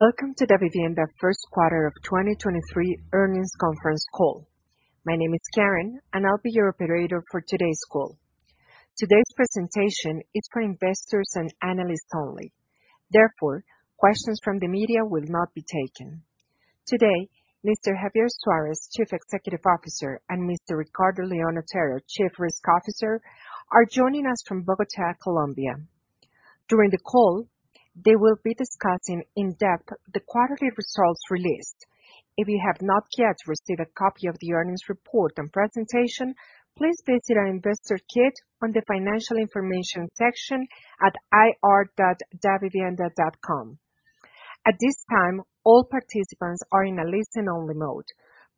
Welcome to Davivienda first quarter of 2023 earnings conference call. My name is Karen, and I'll be your operator for today's call. Today's presentation is for investors and analysts only. Therefore, questions from the media will not be taken. Today, Mr. Javier Suarez, Chief Executive Officer, and Mr. Ricardo León Otero, Chief Risk Officer, are joining us from Bogota, Colombia. During the call, they will be discussing in depth the quarterly results released. If you have not yet received a copy of the earnings report and presentation, please visit our investor kit on the financial information section at ir.davivienda.com. At this time, all participants are in a listen only mode.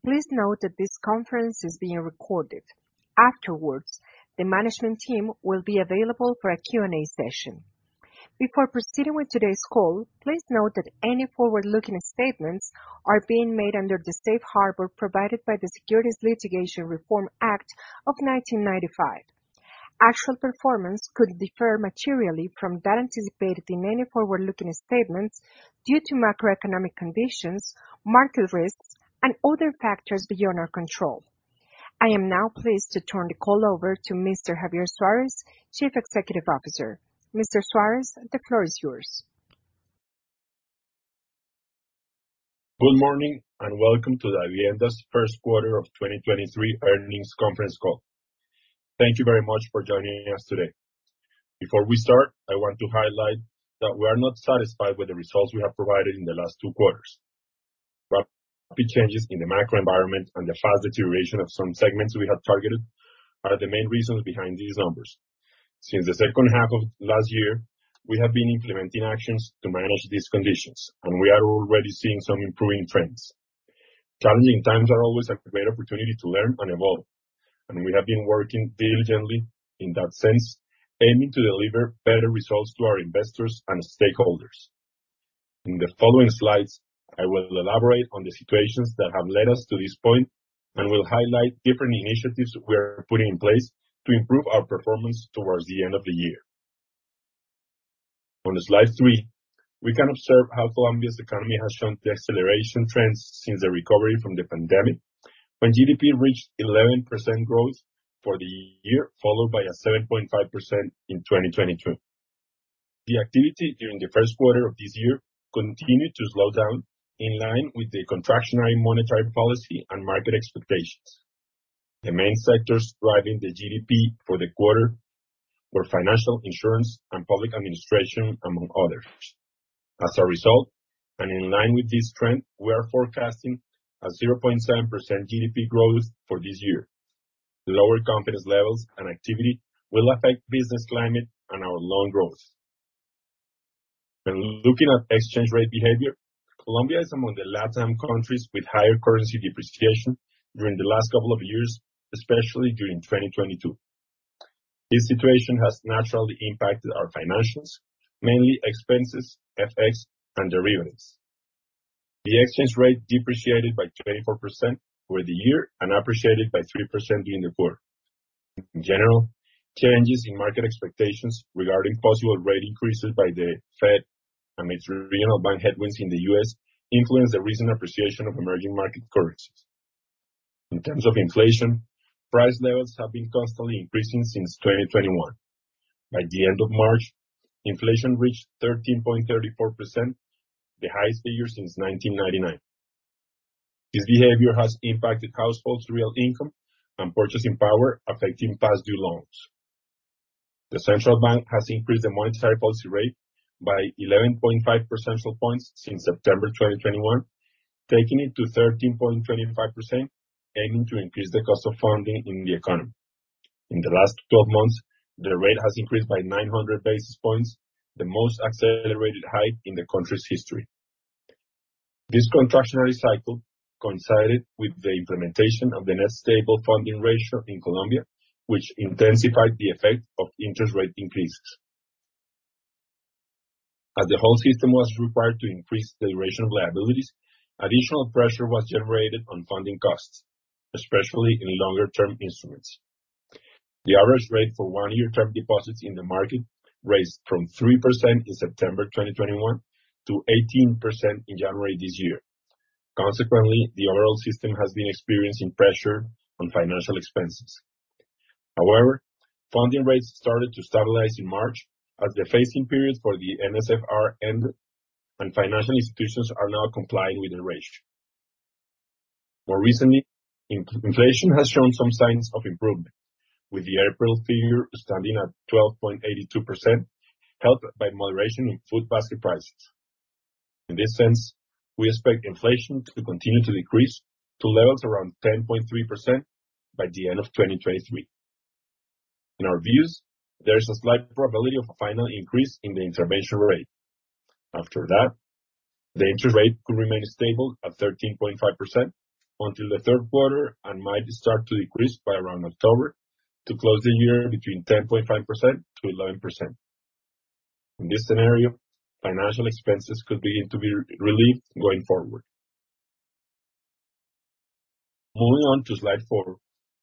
Please note that this conference is being recorded. Afterwards, the management team will be available for a Q&A session. Before proceeding with today's call, please note that any forward-looking statements are being made under the safe harbor provided by the Securities Litigation Reform Act of 1995. Actual performance could differ materially from that anticipated in any forward-looking statements due to macroeconomic conditions, market risks, and other factors beyond our control. I am now pleased to turn the call over to Mr. Javier Suárez, Chief Executive Officer. Mr. Suárez, the floor is yours. Good morning and welcome to Davivienda's first quarter of 2023 earnings conference call. Thank you very much for joining us today. Before we start, I want to highlight that we are not satisfied with the results we have provided in the last two quarters. Rapid changes in the macro environment and the fast deterioration of some segments we have targeted are the main reasons behind these numbers. Since the second half of last year, we have been implementing actions to manage these conditions, and we are already seeing some improving trends. Challenging times are always a great opportunity to learn and evolve, and we have been working diligently in that sense, aiming to deliver better results to our investors and stakeholders. In the following slides, I will elaborate on the situations that have led us to this point, will highlight different initiatives we're putting in place to improve our performance towards the end of the year. On slide three, we can observe how Colombia's economy has shown deceleration trends since the recovery from the pandemic, when GDP reached 11% growth for the year, followed by a 7.5% in 2022. The activity during the 1st quarter of this year continued to slow down in line with the contractionary monetary policy and market expectations. The main sectors driving the GDP for the quarter were financial insurance and public administration, among others. As a result, in line with this trend, we are forecasting a 0.7% GDP growth for this year. Lower confidence levels and activity will affect business climate and our loan growth. When looking at exchange rate behavior, Colombia is among the LATAM countries with higher currency depreciation during the last couple of years, especially during 2022. This situation has naturally impacted our financials, mainly expenses, FX, and the revenues. The exchange rate depreciated by 24% over the year and appreciated by 3% during the quarter. In general, changes in market expectations regarding possible rate increases by the Fed amidst regional bank headwinds in the US influenced the recent appreciation of emerging market currencies. In terms of inflation, price levels have been constantly increasing since 2021. By the end of March, inflation reached 13.34%, the highest figure since 1999. This behavior has impacted households' real income and purchasing power, affecting past due loans. The central bank has increased the monetary policy rate by 11.5 percentage points since September 2021, taking it to 13.25%, aiming to increase the cost of funding in the economy. In the last 12 months, the rate has increased by 900 basis points, the most accelerated hike in the country's history. This contractionary cycle coincided with the implementation of the Net Stable Funding Ratio in Colombia, which intensified the effect of interest rate increases. As the whole system was required to increase the duration of liabilities, additional pressure was generated on funding costs, especially in longer term instruments. The average rate for one-year term deposits in the market raised from 3% in September 2021 to 18% in January this year. Consequently, the overall system has been experiencing pressure on financial expenses. Funding rates started to stabilize in March as the phasing period for the NSFR ended, and financial institutions are now complying with the ratio. More recently, inflation has shown some signs of improvement with the April figure standing at 12.82%, helped by moderation in food basket prices. In this sense, we expect inflation to continue to decrease to levels around 10.3% by the end of 2023. In our views, there is a slight probability of a final increase in the intervention rate. After that, the interest rate could remain stable at 13.5% until the third quarter and might start to decrease by around October to close the year between 10.5%-11%. In this scenario, financial expenses could begin to be relieved going forward. Moving on to slide four,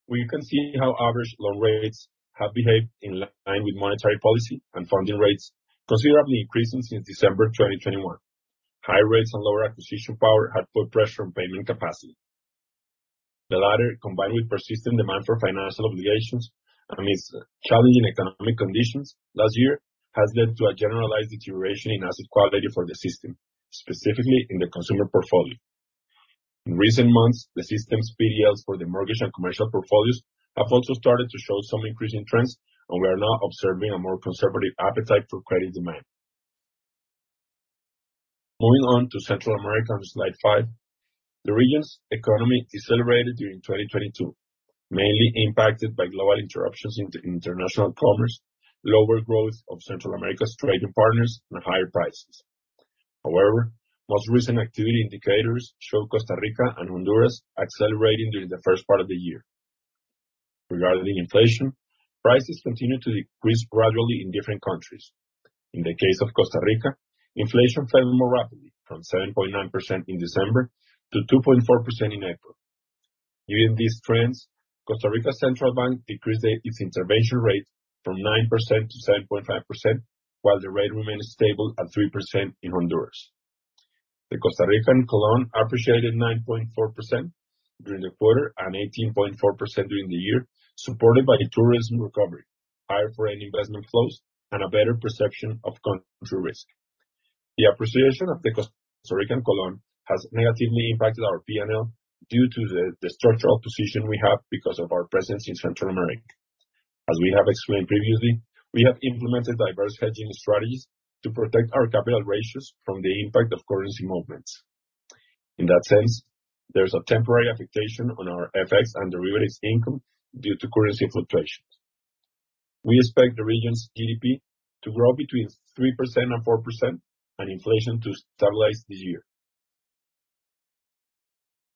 where you can see how average loan rates have behaved in line with monetary policy and funding rates considerably increasing since December 2021. High rates and lower acquisition power had put pressure on payment capacity. The latter, combined with persistent demand for financial obligations amidst challenging economic conditions last year, has led to a generalized deterioration in asset quality for the system, specifically in the consumer portfolio. In recent months, the system's PDLs for the mortgage and commercial portfolios have also started to show some increasing trends, and we are now observing a more conservative appetite for credit demand. Moving on to Central America on slide five. The region's economy decelerated during 2022, mainly impacted by global interruptions in international commerce, lower growth of Central America's trading partners, and higher prices. However, most recent activity indicators show Costa Rica and Honduras accelerating during the first part of the year. Regarding inflation, prices continued to decrease gradually in different countries. In the case of Costa Rica, inflation fell more rapidly from 7.9% in December to 2.4% in April. Given these trends, Costa Rica's central bank decreased its intervention rate from 9% to 7.5%, while the rate remained stable at 3% in Honduras. The Costa Rican colón appreciated 9.4% during the quarter and 18.4% during the year, supported by tourism recovery, higher foreign investment flows, and a better perception of country risk. The appreciation of the Costa Rican colón has negatively impacted our PNL due to the structural position we have because of our presence in Central America. As we have explained previously, we have implemented diverse hedging strategies to protect our capital ratios from the impact of currency movements. In that sense, there's a temporary affectation on our FX and derivatives income due to currency fluctuations. We expect the region's GDP to grow between 3% and 4% and inflation to stabilize this year.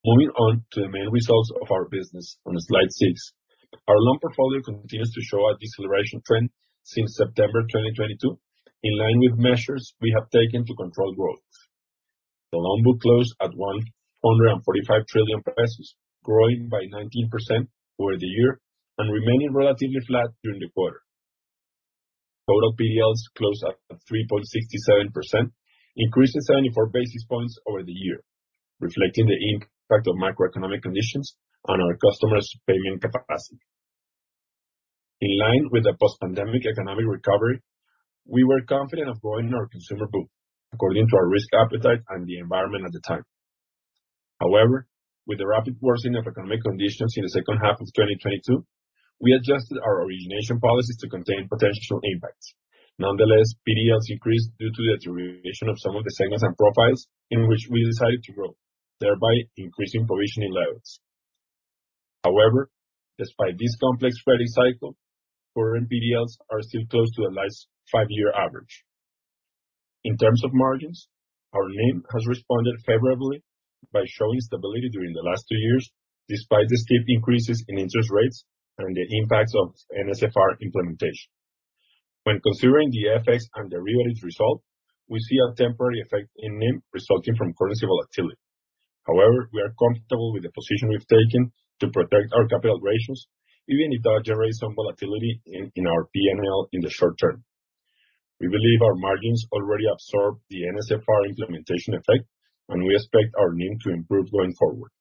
Moving on to the main results of our business on slide six. Our loan portfolio continues to show a deceleration trend since September 2022, in line with measures we have taken to control growth. The loan book closed at COP 145 trillion, growing by 19% over the year and remaining relatively flat during the quarter. Total PDLs closed at 3.67%, increasing 74 basis points over the year, reflecting the impact of macroeconomic conditions on our customers' payment capacity. In line with the post-pandemic economic recovery, we were confident of growing our consumer book according to our risk appetite and the environment at the time. However, with the rapid worsening of economic conditions in the second half of 2022, we adjusted our origination policies to contain potential impacts. Nonetheless, PDLs increased due to the deterioration of some of the segments and profiles in which we decided to grow, thereby increasing provisioning levels. However, despite this complex credit cycle, foreign PDLs are still close to the last five-year average. In terms of margins, our NIM has responded favorably by showing stability during the last two years, despite the steep increases in interest rates and the impacts of NSFR implementation. When considering the FX and derivatives result, we see a temporary effect in NIM resulting from currency volatility. However, we are comfortable with the position we've taken to protect our capital ratios, even if that generates some volatility in our P&L in the short term. We believe our margins already absorb the NSFR implementation effect, and we expect our NIM to improve going forward.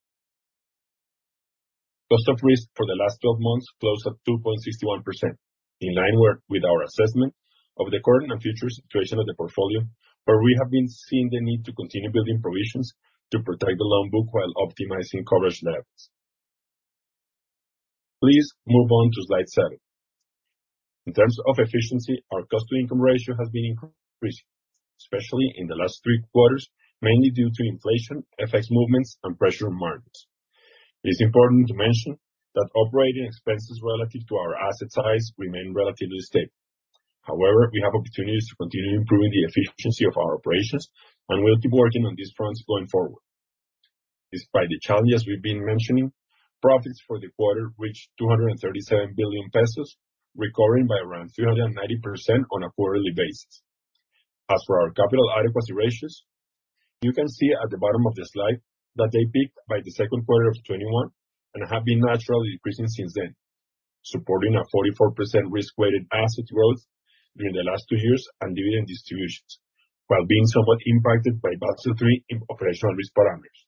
Cost of risk for the last 12 months closed at 2.61%, in line with our assessment of the current and future situation of the portfolio, where we have been seeing the need to continue building provisions to protect the loan book while optimizing coverage levels. Please move on to slide seven. In terms of efficiency, our cost-to-income ratio has been increasing, especially in the last three quarters, mainly due to inflation, FX movements, and pressure on margins. It is important to mention that operating expenses relative to our asset size remain relatively stable. We have opportunities to continue improving the efficiency of our operations, and we'll keep working on these fronts going forward. Despite the challenges we've been mentioning, profits for the quarter reached COP 237 billion, recovering by around 390% on a quarterly basis. Our capital adequacy ratios, you can see at the bottom of the slide that they peaked by the second quarter of 2021 and have been naturally decreasing since then, supporting a 44% risk-weighted asset growth during the last two years and dividend distributions, while being somewhat impacted by Basel III operational risk parameters.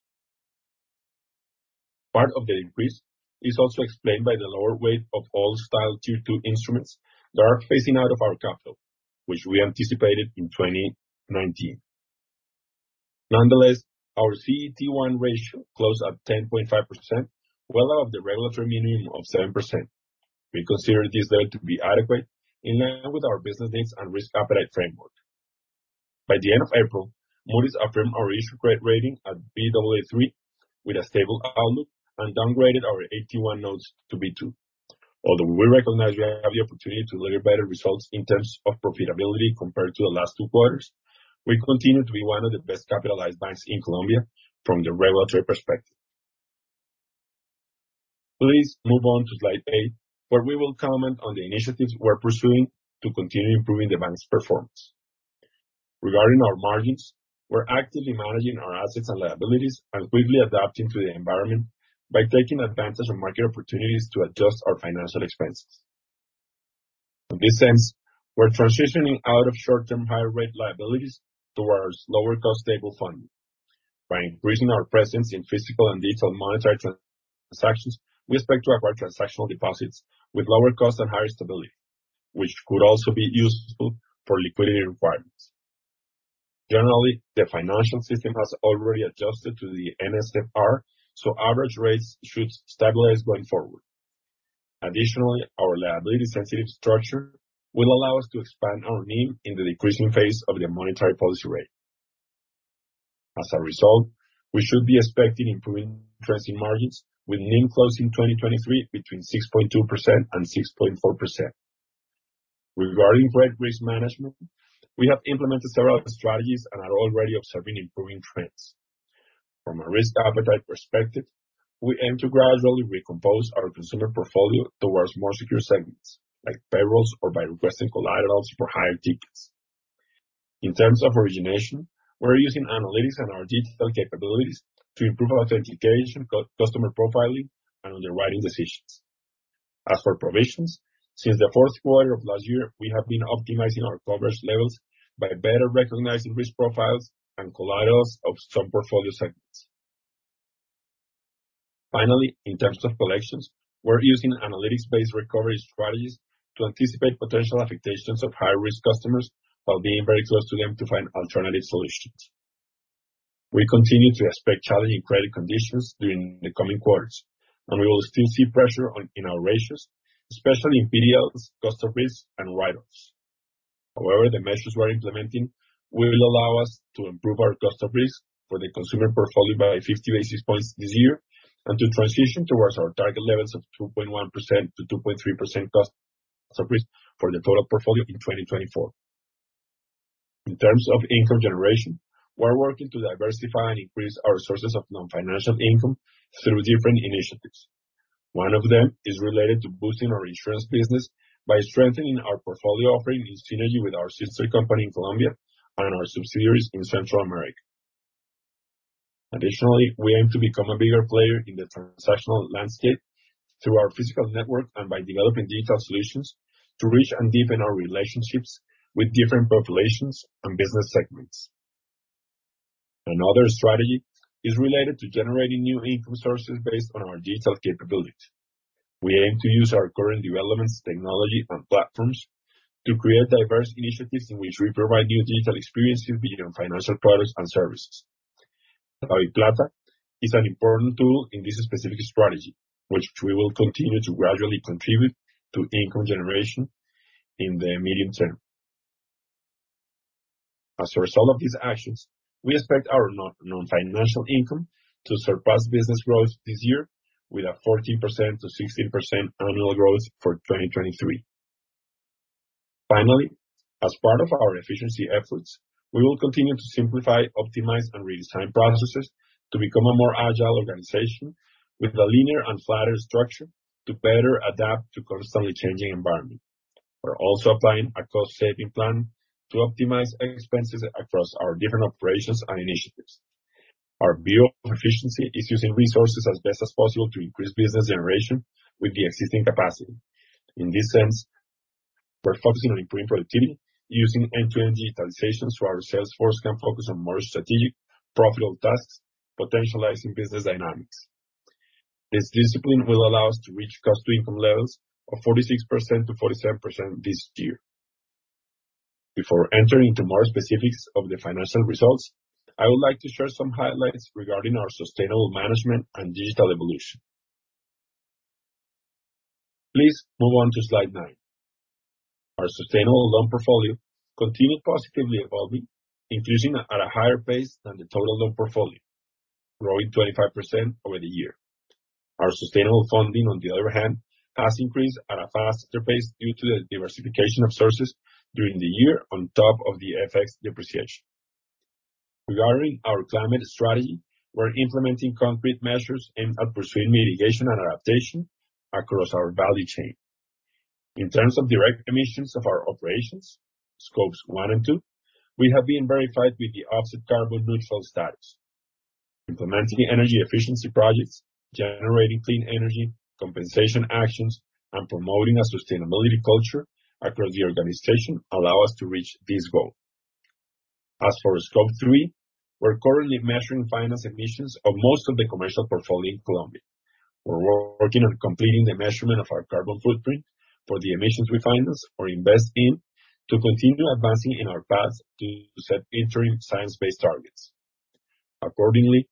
Part of the decrease is also explained by the lower weight of old-style Tier two instruments that are phasing out of our capital, which we anticipated in 2019. Nonetheless, our CET1 ratio closed at 10.5%, well above the regulatory minimum of 7%. We consider this level to be adequate in line with our business needs and risk appetite framework. By the end of April, Moody's affirmed our issuer credit rating at Baa3 with a stable outlook and downgraded our AT1 notes to B2. Although we recognize we have the opportunity to deliver better results in terms of profitability compared to the last two quarters, we continue to be one of the best-capitalized banks in Colombia from the regulatory perspective. Please move on to slide eight, where we will comment on the initiatives we're pursuing to continue improving the bank's performance. Regarding our margins, we're actively managing our assets and liabilities and quickly adapting to the environment by taking advantage of market opportunities to adjust our financial expenses. In this sense, we're transitioning out of short-term high rate liabilities towards lower cost stable funding. By increasing our presence in physical and digital monetary transactions, we expect to acquire transactional deposits with lower cost and higher stability, which could also be useful for liquidity requirements. Generally, the financial system has already adjusted to the NSFR. Average rates should stabilize going forward. Additionally, our liability-sensitive structure will allow us to expand our NIM in the decreasing phase of the monetary policy rate. As a result, we should be expecting improving trends in margins with NIM closing 2023 between 6.2% and 6.4%. Regarding credit risk management, we have implemented several strategies and are already observing improving trends. From a risk appetite perspective, we aim to gradually recompose our consumer portfolio towards more secure segments like payrolls or by requesting collaterals for higher tickets. In terms of origination, we're using analytics and our digital capabilities to improve authentication, customer profiling, and underwriting decisions. As for provisions, since the fourth quarter of last year, we have been optimizing our coverage levels by better recognizing risk profiles and collaterals of strong portfolio segments. Finally, in terms of collections, we're using analytics-based recovery strategies to anticipate potential affectations of high-risk customers while being very close to them to find alternative solutions. We continue to expect challenging credit conditions during the coming quarters, and we will still see pressure in our ratios, especially in PDLs, cost of risk, and write-offs. The measures we're implementing will allow us to improve our cost of risk for the consumer portfolio by 50 basis points this year, and to transition towards our target levels of 2.1%-2.3% cost of risk for the total portfolio in 2024. In terms of income generation, we're working to diversify and increase our sources of non-financial income through different initiatives. One of them is related to boosting our insurance business by strengthening our portfolio offering in synergy with our sister company in Colombia and our subsidiaries in Central America. We aim to become a bigger player in the transactional landscape through our physical network and by developing digital solutions to reach and deepen our relationships with different populations and business segments. Another strategy is related to generating new income sources based on our digital capabilities. We aim to use our current developments, technology, and platforms to create diverse initiatives in which we provide new digital experiences beyond financial products and services. DaviPlata is an important tool in this specific strategy, which we will continue to gradually contribute to income generation in the medium term. As a result of these actions, we expect our non-financial income to surpass business growth this year with a 14%-16% annual growth for 2023. Finally, as part of our efficiency efforts, we will continue to simplify, optimize, and redesign processes to become a more agile organization with a linear and flatter structure to better adapt to constantly changing environment. We're also applying a cost-saving plan to optimize expenses across our different operations and initiatives. Our view of efficiency is using resources as best as possible to increase business generation with the existing capacity. In this sense, we're focusing on improving productivity using end-to-end digitalizations so our sales force can focus on more strategic, profitable tasks, potentializing business dynamics. This discipline will allow us to reach customer income levels of 46%-47% this year. Before entering into more specifics of the financial results, I would like to share some highlights regarding our sustainable management and digital evolution. Please move on to slide nine. Our sustainable loan portfolio continued positively evolving, increasing at a higher pace than the total loan portfolio, growing 25% over the year. Our sustainable funding, on the other hand, has increased at a faster pace due to the diversification of sources during the year on top of the FX depreciation. Regarding our climate strategy, we're implementing concrete measures aimed at pursuing mitigation and adaptation across our value chain. In terms of direct emissions of our operations, Scope one and two, we have been verified with the Offset Carbon Neutral status. Implementing energy efficiency projects, generating clean energy, compensation actions, and promoting a sustainability culture across the organization allow us to reach this goal. As for Scope three, we're currently measuring finance emissions of most of the commercial portfolio in Colombia. We're working on completing the measurement of our carbon footprint for the emissions we finance or invest in to continue advancing in our path to set interim science-based targets. Accordingly,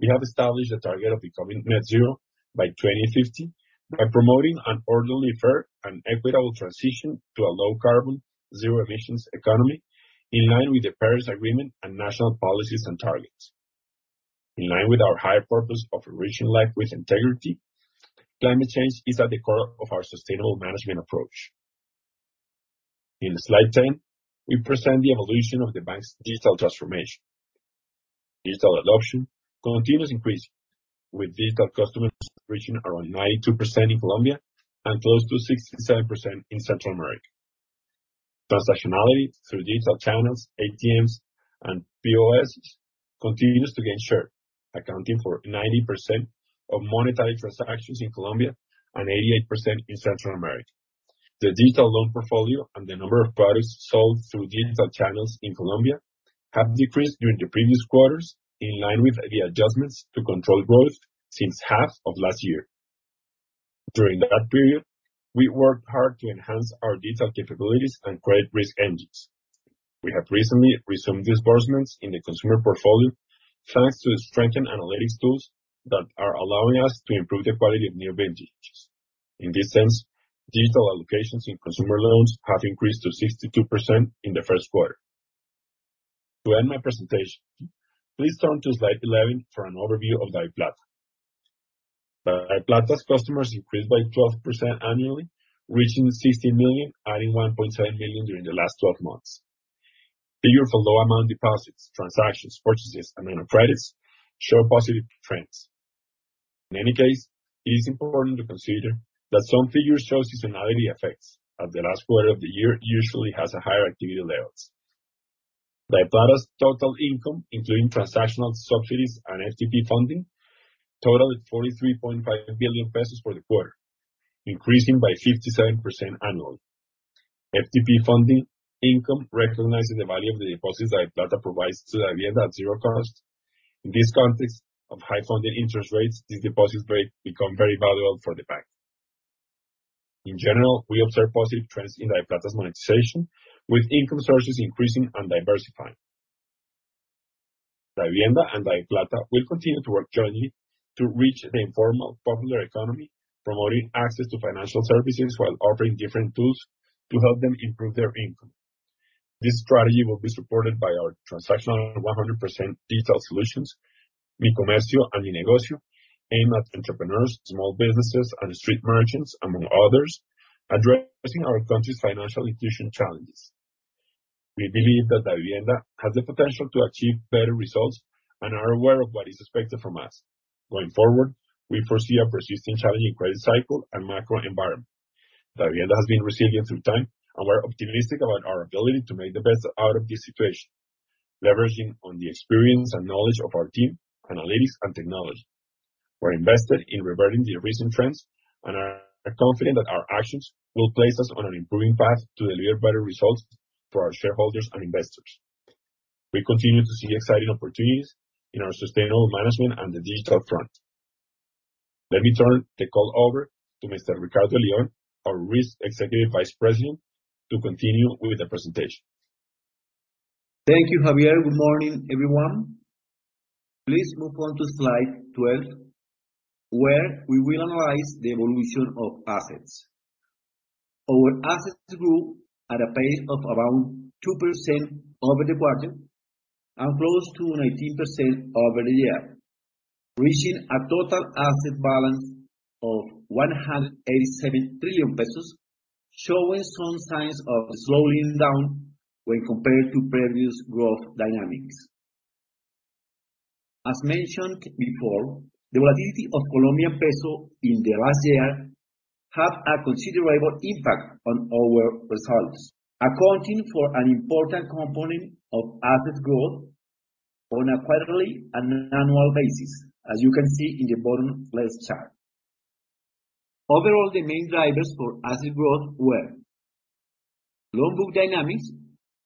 we have established a target of becoming net zero by 2050 by promoting an orderly, fair, and equitable transition to a low carbon, zero emissions economy in line with the Paris Agreement and national policies and targets. In line with our higher purpose of reaching life with integrity, climate change is at the core of our sustainable management approach. In slide 10, we present the evolution of the bank's digital transformation. Digital adoption continues increasing, with digital customers reaching around 92% in Colombia and close to 67% in Central America. Transactionality through digital channels, ATMs, and POS continues to gain share, accounting for 90% of monetary transactions in Colombia and 88% in Central America. The digital loan portfolio and the number of products sold through digital channels in Colombia have decreased during the previous quarters, in line with the adjustments to control growth since half of last year. During that period, we worked hard to enhance our digital capabilities and credit risk engines. We have recently resumed disbursements in the consumer portfolio, thanks to the strengthened analytics tools that are allowing us to improve the quality of new vintages. In this sense, digital allocations in consumer loans have increased to 62% in the first quarter. To end my presentation, please turn to slide 11 for an overview of DaviPlata. DaviPlata's customers increased by 12% annually, reaching 16 million, adding 1.7 million during the last 12 months. Figure for low amount deposits, transactions, purchases, amount of credits show positive trends. In any case, it is important to consider that some figures show seasonality effects, as the last quarter of the year usually has a higher activity levels. DaviPlata's total income, including transactional subsidies and FTP funding, totaled COP 43.5 billion for the quarter, increasing by 57% annually. FTP funding income recognizing the value of the deposits DaviPlata provides to Davivienda at zero cost. In this context of high funding interest rates, these deposits become very valuable for the bank. In general, we observe positive trends in DaviPlata's monetization, with income sources increasing and diversifying. Davivienda and DaviPlata will continue to work jointly to reach the informal popular economy, promoting access to financial services while offering different tools to help them improve their income. This strategy will be supported by our transactional 100% digital solutions, Mi Comercio and Mi Negocio, aimed at entrepreneurs, small businesses, and street merchants, among others, addressing our country's financial inclusion challenges. We believe that Davivienda has the potential to achieve better results and are aware of what is expected from us. Going forward, we foresee a persisting challenging credit cycle and macro environment. Davivienda has been resilient through time. We're optimistic about our ability to make the best out of this situation, leveraging on the experience and knowledge of our team, analytics and technology. We're invested in reverting the recent trends and are confident that our actions will place us on an improving path to deliver better results for our shareholders and investors. We continue to see exciting opportunities in our sustainable management and the digital front. Let me turn the call over to Mr. Ricardo León, our Risk Executive Vice President, to continue with the presentation. Thank you, Javier. Good morning, everyone. Please move on to slide 12, where we will analyze the evolution of assets. Our assets grew at a pace of around 2% over the quarter and close to 19% over the year, reaching a total asset balance of COP 187 trillion, showing some signs of slowing down when compared to previous growth dynamics. As mentioned before, the volatility of Colombian peso in the last year have a considerable impact on our results, accounting for an important component of asset growth on a quarterly and annual basis, as you can see in the bottom left chart. Overall, the main drivers for asset growth were loan book dynamics,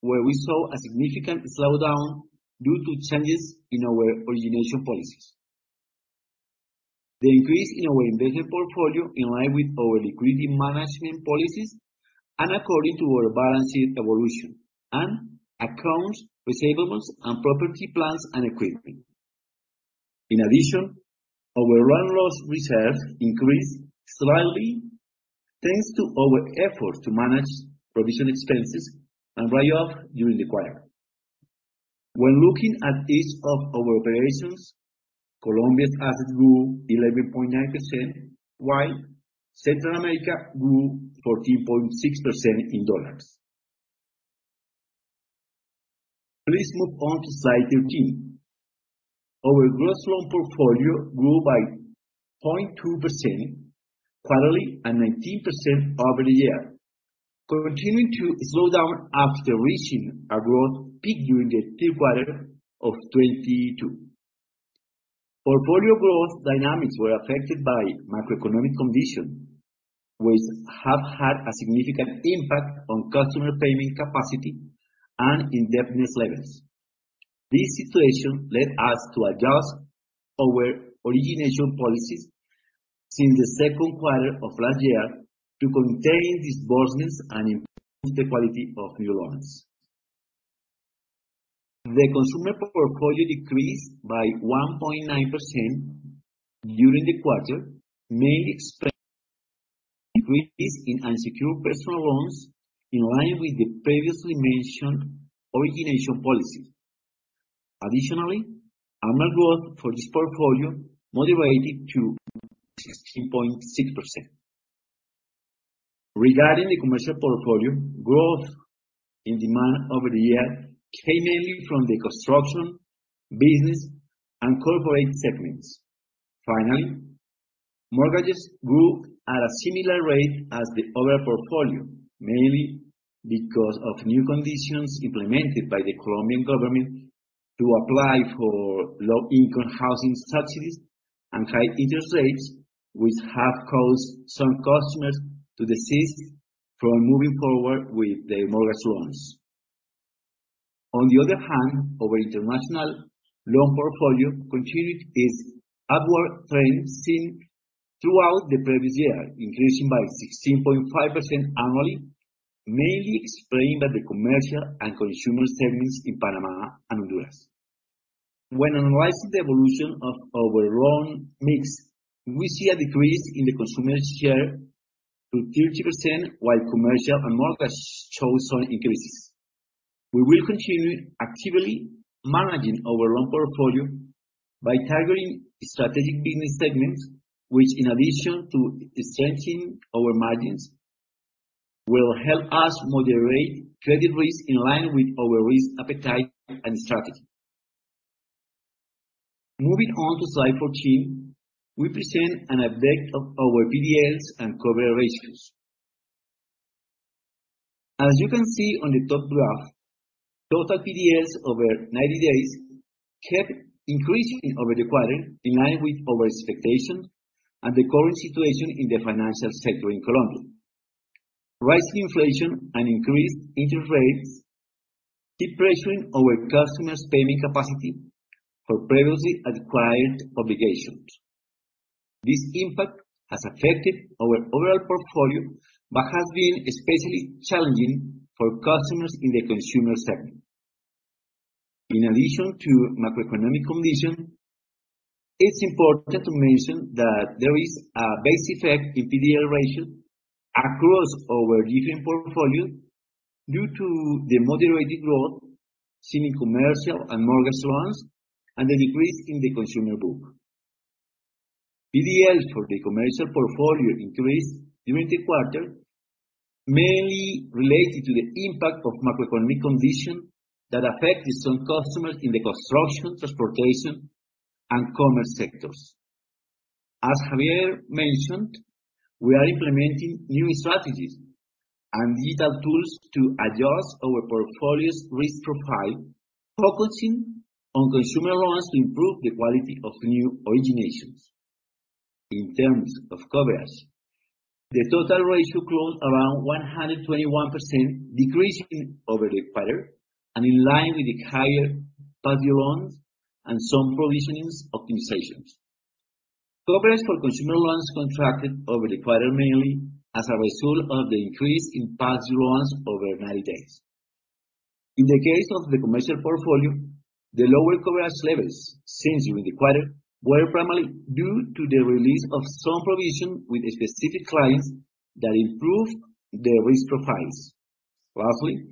where we saw a significant slowdown due to changes in our origination policies. The increase in our investment portfolio in line with our liquidity management policies and according to our balanced evolution and accounts, receivables, and property, plants, and equipment. Our run loss reserve increased slightly, thanks to our effort to manage provision expenses and write-off during the quarter. When looking at each of our operations, Colombia's assets grew 11.9%, while Central America grew 14.6% in dollars. Please move on to slide 13. Our gross loan portfolio grew by 0.2% quarterly and 19% over the year, continuing to slow down after reaching a growth peak during the third quarter of 2022. Portfolio growth dynamics were affected by macroeconomic conditions, which have had a significant impact on customer payment capacity and indebtedness levels. This situation led us to adjust our origination policies since the second quarter of last year to contain disbursements and improve the quality of new loans. The consumer portfolio decreased by 1.9% during the quarter, mainly explained decreases in unsecured personal loans in line with the previously mentioned origination policy. Additionally, AMAR growth for this portfolio moderated to 16.6%. Regarding the commercial portfolio, growth in demand over the year came mainly from the construction, business, and corporate segments. Finally, mortgages grew at a similar rate as the overall portfolio, mainly because of new conditions implemented by the Colombian government to apply for low-income housing subsidies and high interest rates, which have caused some customers to desist from moving forward with their mortgage loans. The other hand, our international loan portfolio continued its upward trend seen throughout the previous year, increasing by 16.5% annually, mainly explained by the commercial and consumer segments in Panama and Honduras. When analyzing the evolution of our loan mix, we see a decrease in the consumer share to 30%, while commercial and mortgage show some increases. We will continue actively managing our loan portfolio by targeting strategic business segments, which in addition to strengthening our margins, will help us moderate credit risk in line with our risk appetite and strategy. Moving on to slide 14, we present an update of our PDLs and coverage ratios. As you can see on the top graph, total PDLs over 90 days kept increasing over the quarter, in line with our expectation and the current situation in the financial sector in Colombia. Rising inflation and increased interest rates keep pressuring our customers' payment capacity for previously acquired obligations. This impact has affected our overall portfolio, but has been especially challenging for customers in the consumer segment. In addition to macroeconomic condition, it's important to mention that there is a base effect in PDL ratio across our different portfolio due to the moderated growth seen in commercial and mortgage loans and the decrease in the consumer book. PDL for the commercial portfolio increased during the quarter, mainly related to the impact of macroeconomic condition that affected some customers in the construction, transportation, and commerce sectors. As Javier mentioned, we are implementing new strategies and digital tools to adjust our portfolio's risk profile, focusing on consumer loans to improve the quality of new originations. In terms of coverage, the total ratio closed around 121%, decreasing over the quarter and in line with the higher Past Due Loans and some provisioning optimizations. Coverage for consumer loans contracted over the quarter mainly as a result of the increase in Past Due Loans over 90 days. In the case of the commercial portfolio, the lower coverage levels seen during the quarter were primarily due to the release of some provision with specific clients that improved their risk profiles. Lastly,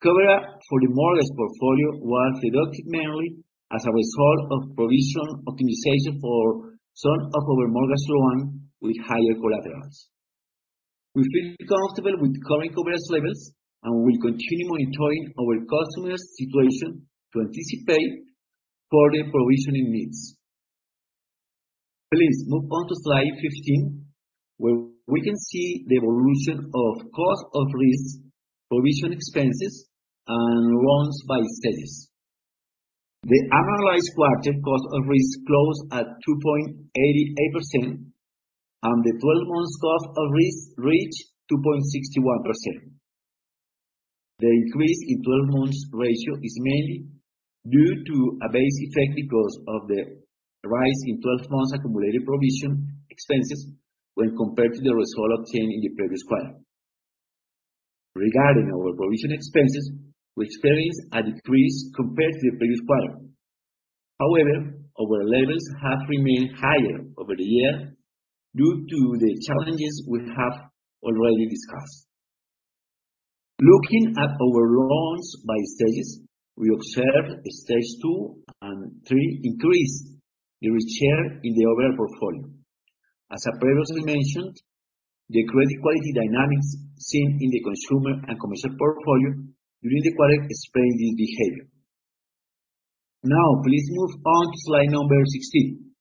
coverage for the mortgage portfolio was reduced mainly as a result of provision optimization for some of our mortgage loan with higher collaterals. We feel comfortable with current coverage levels. We'll continue monitoring our customers' situation to anticipate further provisioning needs. Please move on to slide 15, where we can see the evolution of cost of risk, provision expenses, and loans by stages. The annualized quarter cost of risk closed at 2.88%, and the 12 months cost of risk reached 2.61%. The increase in 12 months ratio is mainly due to a base effect because of the rise in 12 months accumulated provision expenses when compared to the result obtained in the previous quarter. Regarding our provision expenses, we experienced a decrease compared to the previous quarter. However, our levels have remained higher over the year due to the challenges we have already discussed. Looking at our loans by stages, we observed stage two and three increased its share in the overall portfolio. As I previously mentioned, the credit quality dynamics seen in the consumer and commercial portfolio during the quarter explain this behavior. Now, please move on to slide number 16.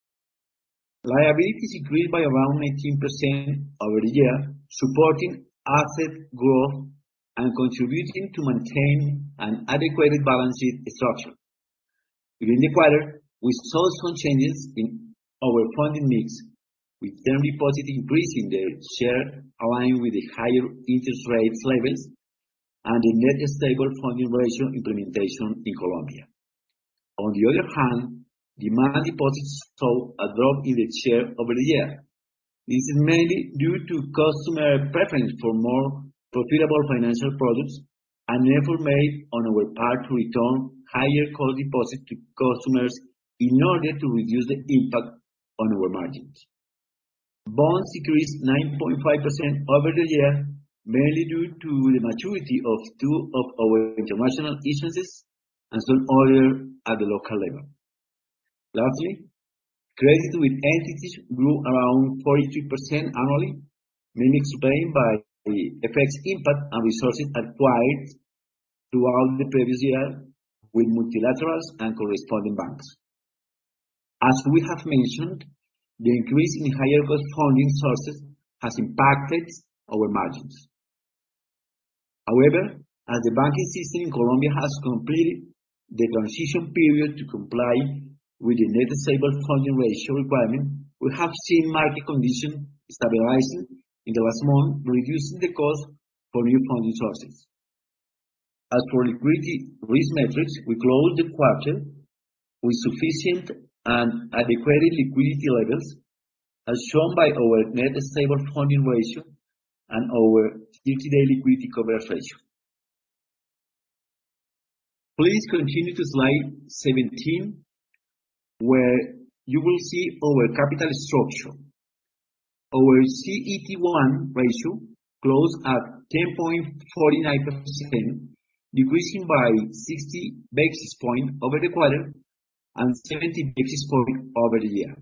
Liabilities increased by around 18% over the year, supporting asset growth and contributing to maintain an adequately balanced structure. During the quarter, we saw some changes in our funding mix, with term deposits increasing their share, aligned with the higher interest rates levels and the Net Stable Funding Ratio implementation in Colombia. On the other hand, demand deposits saw a drop in its share over the year. This is mainly due to customer preference for more profitable financial products, an effort made on our part to return higher cost deposits to customers in order to reduce the impact on our margins. Bonds increased 9.5% over the year, mainly due to the maturity of two of our international issuances and some other at the local level. Credit with entities grew around 43% annually, mainly explained by the effects impact and resources acquired throughout the previous year with multilaterals and corresponding banks. As we have mentioned, the increase in higher cost funding sources has impacted our margins. As the banking system in Colombia has completed the transition period to comply with the Net Stable Funding Ratio requirement, we have seen market condition stabilizing in the last month, reducing the cost for new funding sources. As for liquidity risk metrics, we closed the quarter with sufficient and adequate liquidity levels, as shown by our Net Stable Funding Ratio and our 30-day Liquidity Coverage Ratio. Please continue to slide 17, where you will see our capital structure. Our CET1 ratio closed at 10.49%, decreasing by 60 basis points over the quarter and 70 basis points over the year.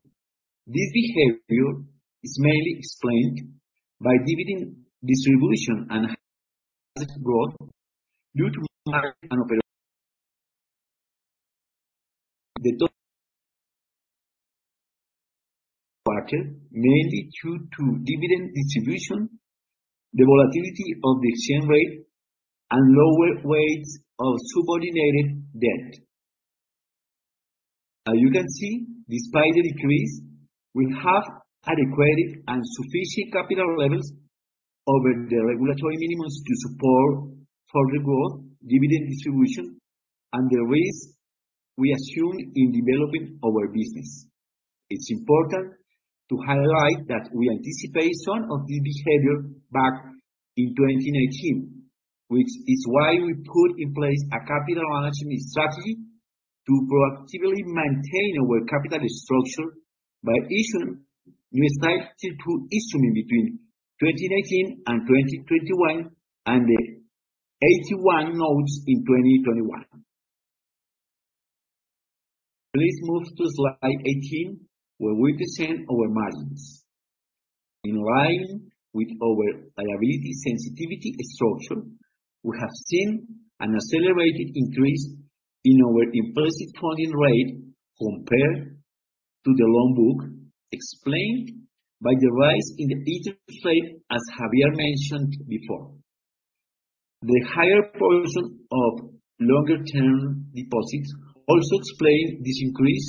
This behavior is mainly explained by dividend distribution and asset growth due to market and operational. The total quarter, mainly due to dividend distribution, the volatility of the exchange rate, and lower weights of subordinated debt. You can see, despite the decrease, we have adequate and sufficient capital levels over the regulatory minimums to support further growth, dividend distribution, and the risks we assume in developing our business. It's important to highlight that we anticipate some of the behavior back in 2019, which is why we put in place a capital management strategy to proactively maintain our capital structure by issuing new Tier two instrument between 2019 and 2021 and the AT1 notes in 2021. Please move to slide 18, where we descend our margins. In line with our liability sensitivity structure, we have seen an accelerated increase in our implicit funding rate compared to the loan book, explained by the rise in the interest rate, as Javier mentioned before. The higher portion of longer-term deposits also explain this increase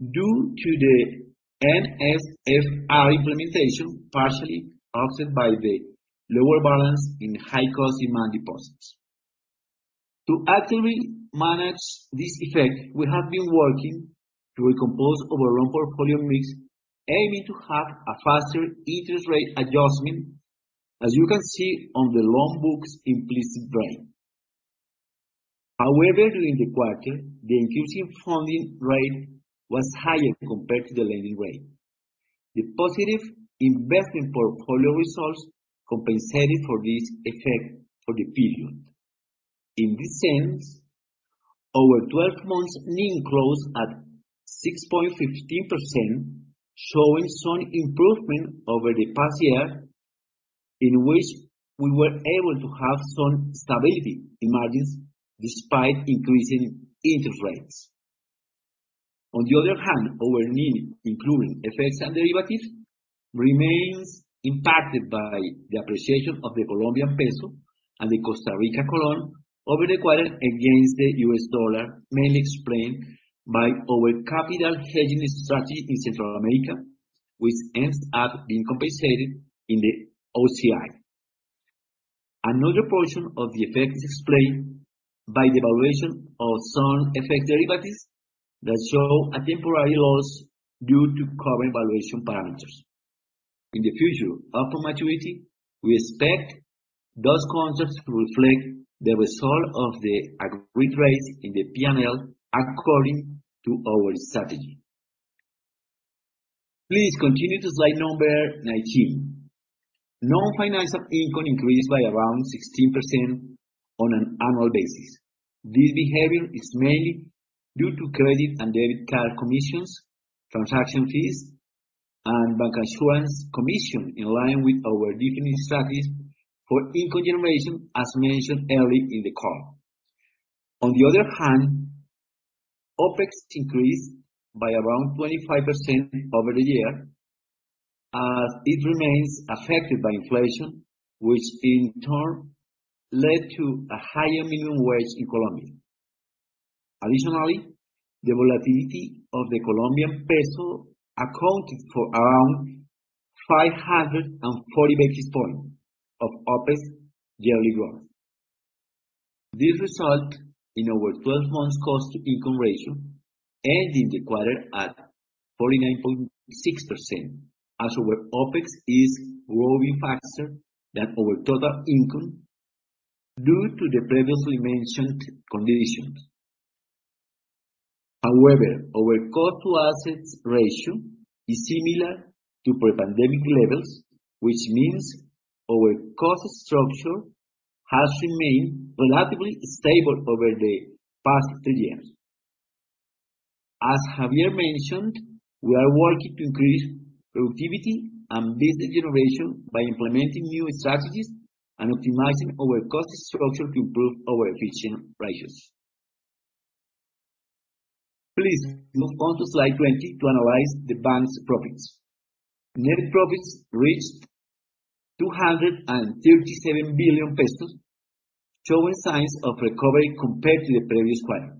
due to the NSFR implementation, partially offset by the lower balance in high-cost demand deposits. To actively manage this effect, we have been working to recompose our loan portfolio mix, aiming to have a faster interest rate adjustment, as you can see on the loan book's implicit rate. However, during the quarter, the increasing funding rate was higher compared to the lending rate. The positive investment portfolio results compensated for this effect for the period. In this sense, our 12 months NIM growth at 6.15%, showing some improvement over the past year in which we were able to have some stability in margins despite increasing interest rates. On the other hand, our NIM, including effects and derivatives, remains impacted by the appreciation of the Colombian peso and the Costa Rican colón over the quarter against the US dollar, mainly explained by our capital hedging strategy in Central America, which ends up being compensated in the OCI. Another portion of the effect is explained by the evaluation of some effect derivatives that show a temporary loss due to current valuation parameters. In the future, upon maturity, we expect those concepts to reflect the result of the agreed rates in the P&L according to our strategy. Please continue to slide number 19. Non-financial income increased by around 16% on an annual basis. This behavior is mainly due to credit and debit card commissions, transaction fees, and bancassurance commission, in line with our different strategies for income generation, as mentioned earlier in the call. OpEx increased by around 25% over the year, as it remains affected by inflation, which in turn led to a higher minimum wage in Colombia. Additionally, the volatility of the Colombian peso accounted for around 540 basis points of OpEx yearly growth. This result in our 12 months cost-to-income ratio ending the quarter at 49.6% as our OpEx is growing faster than our total income due to the previously mentioned conditions. Our cost-to-assets ratio is similar to pre-pandemic levels, which means our cost structure has remained relatively stable over the past three years. As Javier mentioned, we are working to increase productivity and business generation by implementing new strategies and optimizing our cost structure to improve our efficient ratios. Please move on to slide 20 to analyze the bank's profits. Net profits reached COP 237 billion, showing signs of recovery compared to the previous quarter.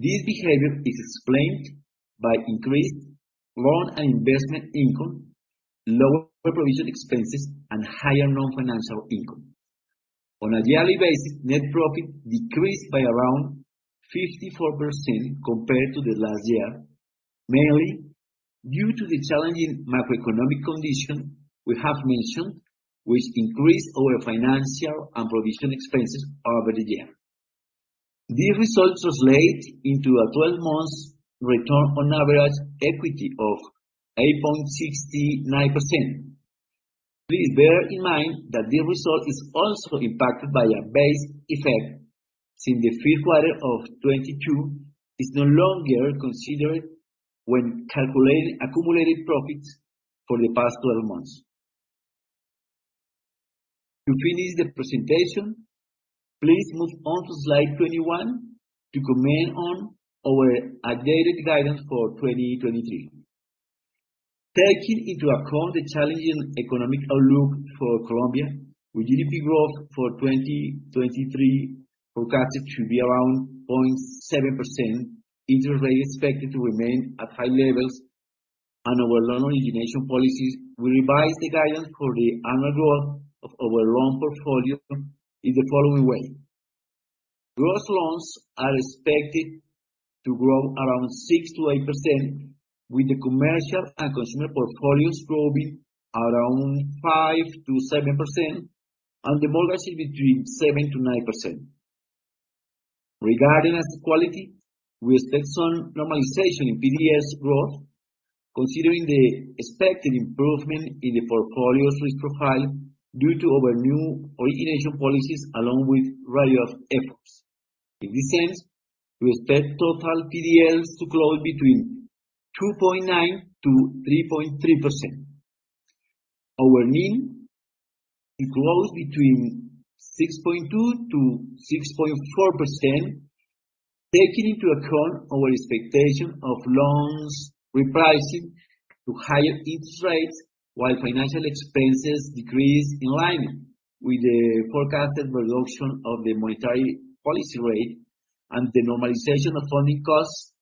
This behavior is explained by increased loan and investment income, lower provision expenses, and higher non-financial income. On a yearly basis, net profit decreased by around 54% compared to the last year, mainly due to the challenging macroeconomic condition we have mentioned, which increased our financial and provision expenses over the year. These results translate into a 12 months return on average equity of 8.69%. Please bear in mind that this result is also impacted by a base effect, since the 5th quarter of 2022 is no longer considered when calculating accumulated profits for the past 12 months. To finish the presentation, please move on to slide 21 to comment on our updated guidance for 2023. Taking into account the challenging economic outlook for Colombia, with GDP growth for 2023 forecasted to be around 0.7%, interest rates expected to remain at high levels, and our loan origination policies, we revised the guidance for the annual growth of our loan portfolio in the following way. Gross loans are expected to grow around 6%-8%, with the commercial and consumer portfolios growing around 5%-7% and the mortgage between 7%-9%. Regarding asset quality, we expect some normalization in PDLs growth, considering the expected improvement in the portfolio's risk profile due to our new origination policies along with write off efforts. In this sense, we expect total PDLs to close between 2.9%-3.3%. Our NIM to close between 6.2%-6.4%, taking into account our expectation of loans repricing to higher interest rates while financial expenses decrease in line with the forecasted reduction of the monetary policy rate and the normalization of funding costs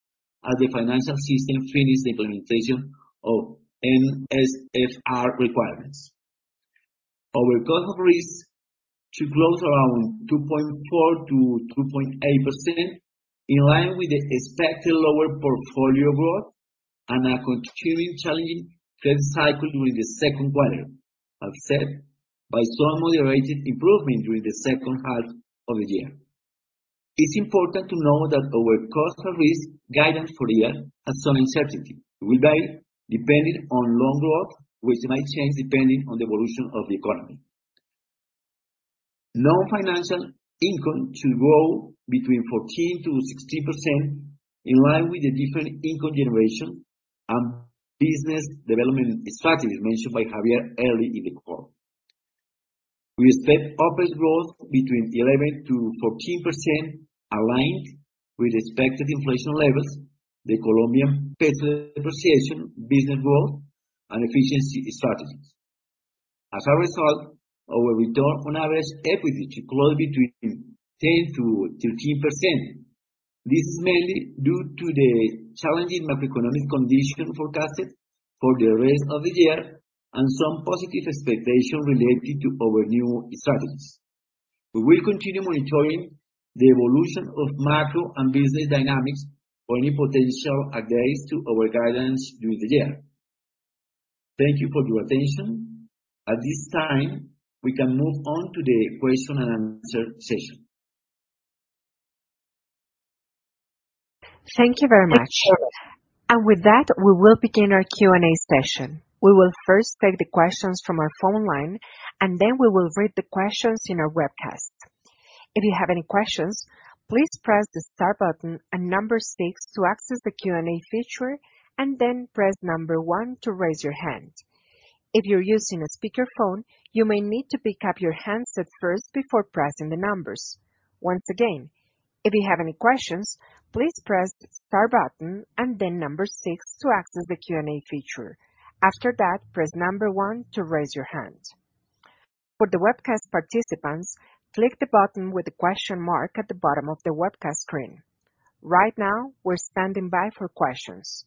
as the financial system finishes the implementation of NSFR requirements. Our cost of risks should close around 2.4%-2.8%, in line with the expected lower portfolio growth and a continuing challenging credit cycle during the second quarter, offset by some moderated improvement during the second half of the year. It's important to note that our cost of risk guidance for the year has some uncertainty. It will vary depending on loan growth, which might change depending on the evolution of the economy. Non-financial income should grow between 14%-16%, in line with the different income generation and business development strategies mentioned by Javier earlier in the call. We expect OpEx growth between 11%-14%, aligned with expected inflation levels, the Colombian peso appreciation, business growth, and efficiency strategies. As a result, our return on average equity should close between 10%-13%. This is mainly due to the challenging macroeconomic condition forecasted for the rest of the year and some positive expectations related to our new strategies. We will continue monitoring the evolution of macro and business dynamics for any potential updates to our guidance during the year. Thank you for your attention. At this time, we can move on to the question and answer session. Thank you very much. With that, we will begin our Q&A session. We will first take the questions from our phone line, and then we will read the questions in our webcast. If you have any questions, please press the star button and 6 to access the Q&A feature, and then press 1 to raise your hand. If you're using a speakerphone, you may need to pick up your handset first before pressing the numbers. Once again, if you have any questions, please press the star button and then 6 to access the Q&A feature. After that, press 1 to raise your hand. For the webcast participants, click the button with the question mark at the bottom of the webcast screen. Right now, we're standing by for questions.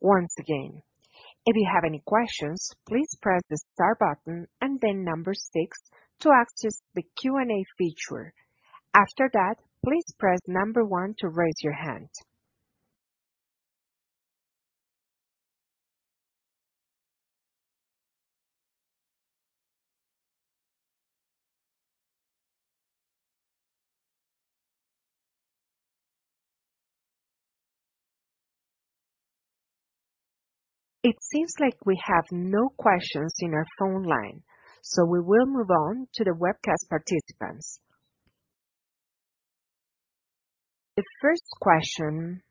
Once again, if you have any questions, please press the Star button and then number six to access the Q&A feature. After that, please press number one to raise your hand. It seems like we have no questions in our phone line, so we will move on to the webcast participants. The first question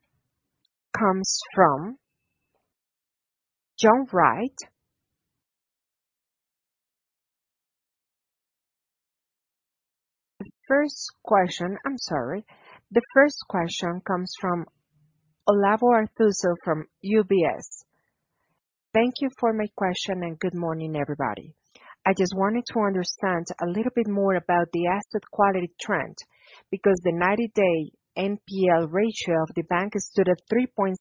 comes from John Wright. The first question, I'm sorry. The first question comes from Olavo Arthuzo from UBS. Thank you for my question and good morning, everybody. I just wanted to understand a little bit more about the asset quality trend, because the 90-day NPL ratio of the bank stood at 3.7%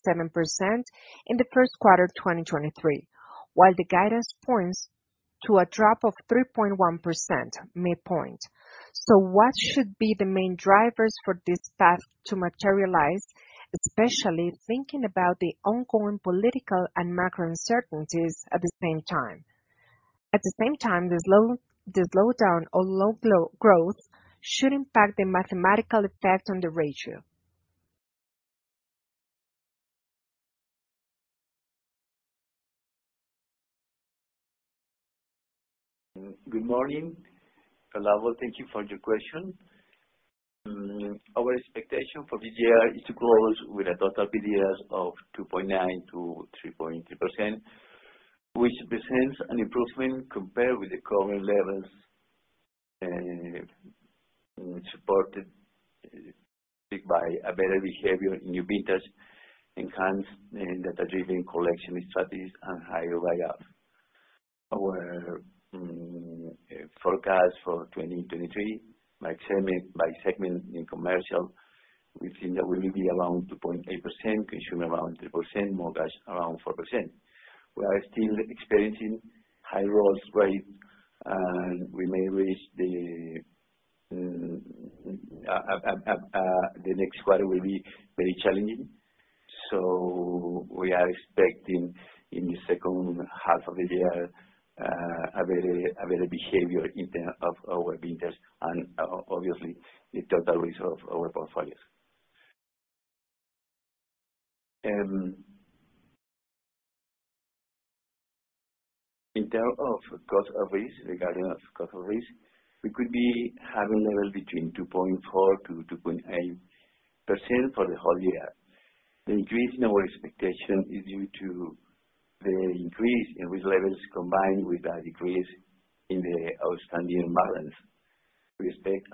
in the first quarter of 2023, while the guidance points to a drop of 3.1% midpoint. What should be the main drivers for this path to materialize, especially thinking about the ongoing political and macro uncertainties at the same time? At the same time, the slowdown or low growth should impact the mathematical effect on the ratio. Good morning, Olavo. Thank you for your question. Our expectation for this year is to close with a total PDLs of 2.9%-3.3%, which presents an improvement compared with the current levels, supported by a better behavior in new business, enhanced data-driven collection strategies, and higher write-off. Our forecast for 2023, by segment in commercial, we think that we will be around 2.8%, consumer around 3%, mortgage around 4%. We are still experiencing high roll rate, and we may reach the next quarter will be very challenging. We are expecting in the second half of the year, a better behavior in term of our business and obviously the total result of our portfolios. In term of cost of risk, regarding of cost of risk, we could be having level between 2.4%-2.8% for the whole year. The increase in our expectation is due to the increase in risk levels combined with a decrease in the outstanding balance. We expect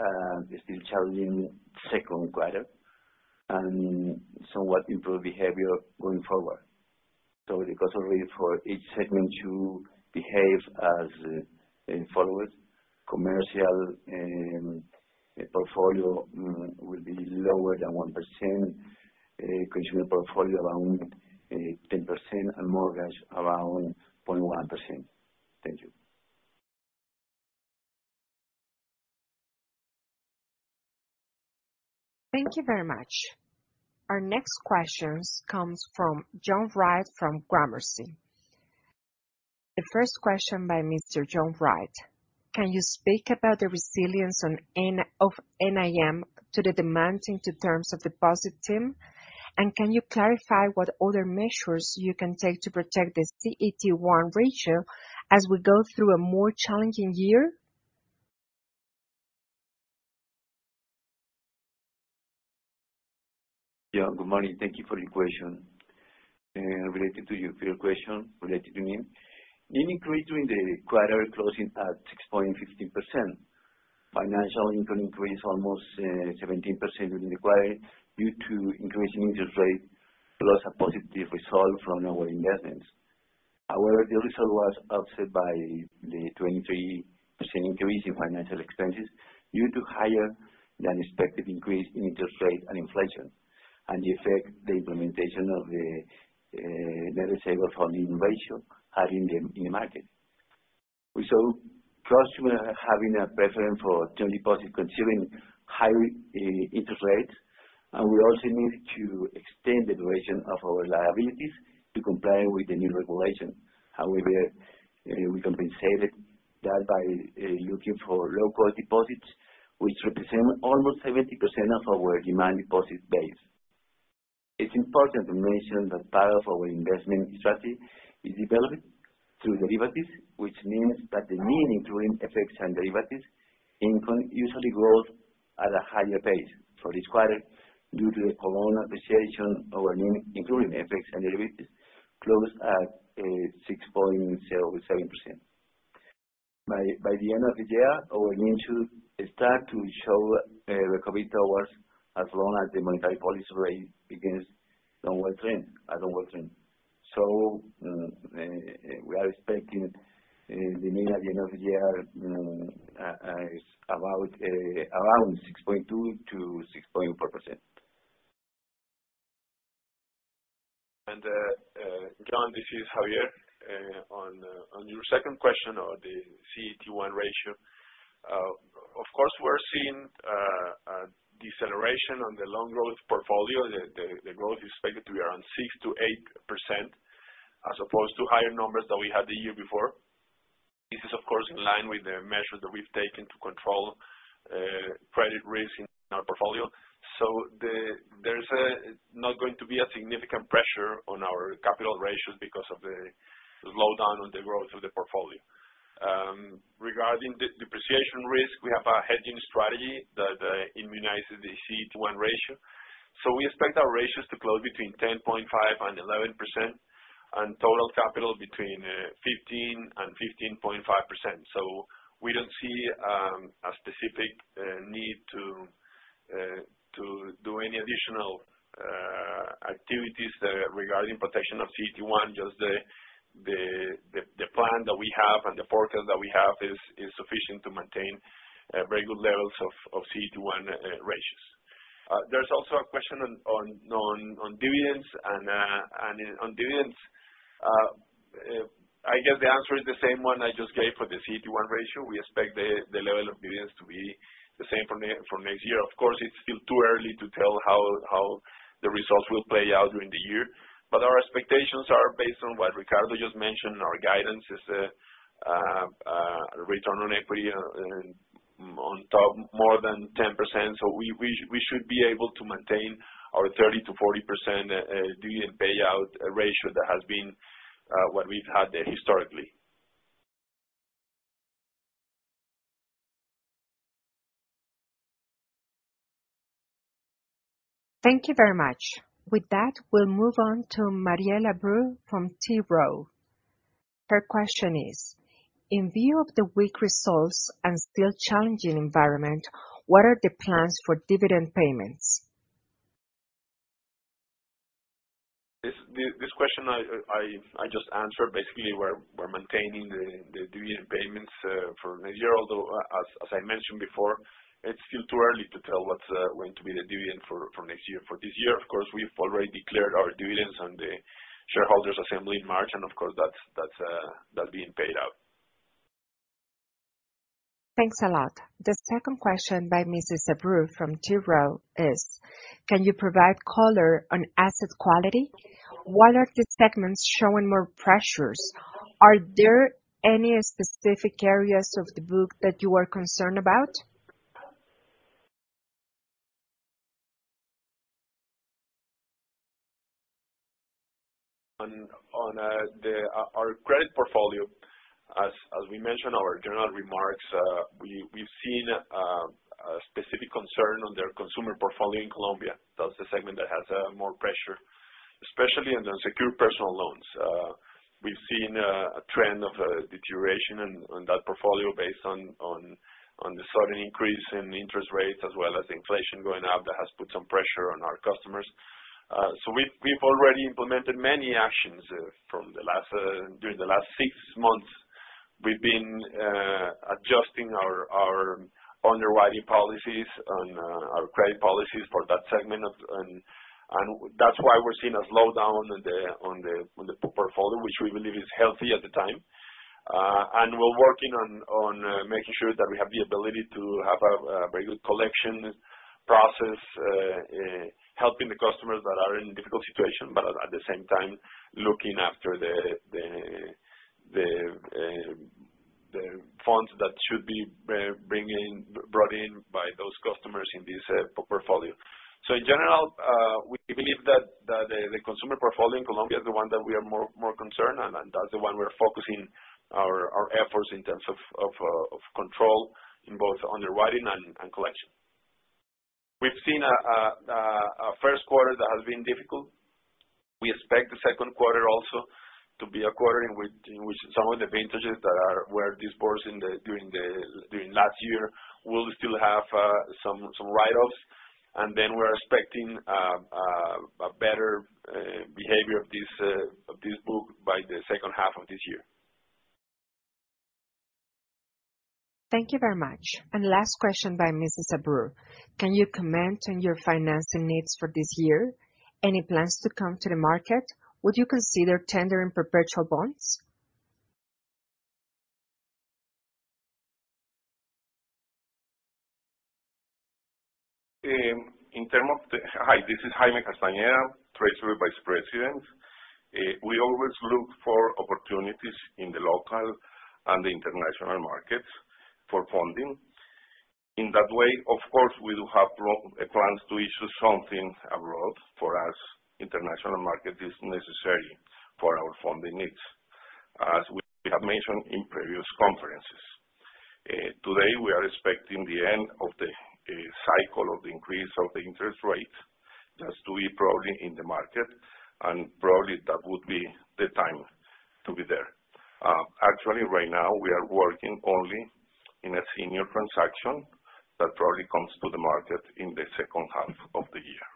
still challenging second quarter and somewhat improved behavior going forward. The cost of risk for each segment should behave as in forward. Commercial portfolio will be lower than 1%, consumer portfolio around 10% and mortgage around 0.1%. Thank you. Thank you very much. Our next questions comes from John Wright from Gramercy. The first question by Mr. John Wright. Can you speak about the resilience on NIM to the demanding to terms of deposit team, and can you clarify what other measures you can take to protect the CET1 ratio as we go through a more challenging year? Yeah. Good morning. Thank you for your question. Related to your question related to NIM. NIM increased during the quarter, closing at 6.15%. Financial income increased almost 17% during the quarter due to increase in interest rate, plus a positive result from our investments. The result was offset by the 23% increase in financial expenses due to higher than expected increase in interest rate and inflation, and the effect the implementation of the Net Stable Funding Ratio had in the market. We saw customer having a preference for term deposits considering high interest rates, and we also need to extend the duration of our liabilities to comply with the new regulation. We compensated that by looking for low-cost deposits, which represent almost 70% of our demand deposit base. It's important to mention that part of our investment strategy is developed through derivatives, which means that the NIM including FX and derivatives income usually grows at a higher pace. For this quarter, due to the colón appreciation, our NIM including FX and derivatives closed at 6.07%. By the end of the year, our NIM should start to show recovery towards as long as the monetary policy rate begins downward trend. We are expecting the NIM at the end of the year is about around 6.2%-6.4%. John, this is Javier. On your second question on the CET1 ratio. Of course, we're seeing a deceleration on the long growth portfolio. The growth is expected to be around 6%-8% as opposed to higher numbers that we had the year before. This is, of course, in line with the measures that we've taken to control credit risk in our portfolio. There's not going to be a significant pressure on our capital ratios because of the slowdown on the growth of the portfolio. Regarding the depreciation risk, we have a hedging strategy that immunizes the CET1 ratio. We expect our ratios to close between 10.5% and 11% and total capital between 15% and 15.5%. We don't see a specific need to do any additional activities regarding protection of CET1, just the plan that we have and the forecast that we have is sufficient to maintain very good levels of CET1 ratios. There's also a question on dividends. On dividends, I guess the answer is the same one I just gave for the CET1 ratio. We expect the level of dividends to be the same for next year. Of course, it's still too early to tell how the results will play out during the year, but our expectations are based on what Ricardo just mentioned. Our guidance is return on equity on top more than 10%. We should be able to maintain our 30%-40% dividend payout ratio that has been what we've had historically. Thank you very much. With that, we'll move on to Mariel Abreu from T. Rowe. Her question is, in view of the weak results and still challenging environment, what are the plans for dividend payments? This question I just answered. Basically, we're maintaining the dividend payments for next year, although as I mentioned before, it's still too early to tell what's going to be the dividend for next year. For this year, of course, we've already declared our dividends on the shareholders assembly in March. Of course, that's being paid out. Thanks a lot. The second question by Mariel Abreu from T. Rowe is, can you provide color on asset quality? What are the segments showing more pressures? Are there any specific areas of the book that you are concerned about? Our credit portfolio, as we mentioned in our general remarks, we've seen a specific concern on their consumer portfolio in Colombia. That's the segment that has more pressure, especially in the secured personal loans. We've seen a trend of deterioration on that portfolio based on the sudden increase in interest rates as well as inflation going up. That has put some pressure on our customers. We've already implemented many actions during the last six months. We've been adjusting our underwriting policies and our credit policies for that segment. That's why we're seeing a slowdown on the portfolio, which we believe is healthy at the time. We're working on making sure that we have the ability to have a very good collection process, helping the customers that are in difficult situation, but at the same time looking after the funds that should be brought in by those customers in this portfolio. In general, we believe that the consumer portfolio in Colombia is the one that we are more concerned, and that's the one we're focusing our efforts in terms of control in both underwriting and collection. We've seen a first quarter that has been difficult. We expect the second quarter also to be a quarter in which some of the vintages that were dispersed during last year will still have some write-offs. We're expecting a better behavior of this book by the second half of this year. Thank you very much. Last question by Mrs. Abreu. Can you comment on your financing needs for this year? Any plans to come to the market? Would you consider tendering perpetual bonds? Hi, this is Jaime Castañeda, Treasury Vice President. We always look for opportunities in the local and the international markets for funding. In that way, of course, we do have plans to issue something abroad. For us, international market is necessary for our funding needs, as we have mentioned in previous conferences. Today, we are expecting the end of the cycle of increase of the interest rate that's to be probably in the market. Probably that would be the time to be there. Actually, right now, we are working only in a senior transaction that probably comes to the market in the second half of the year.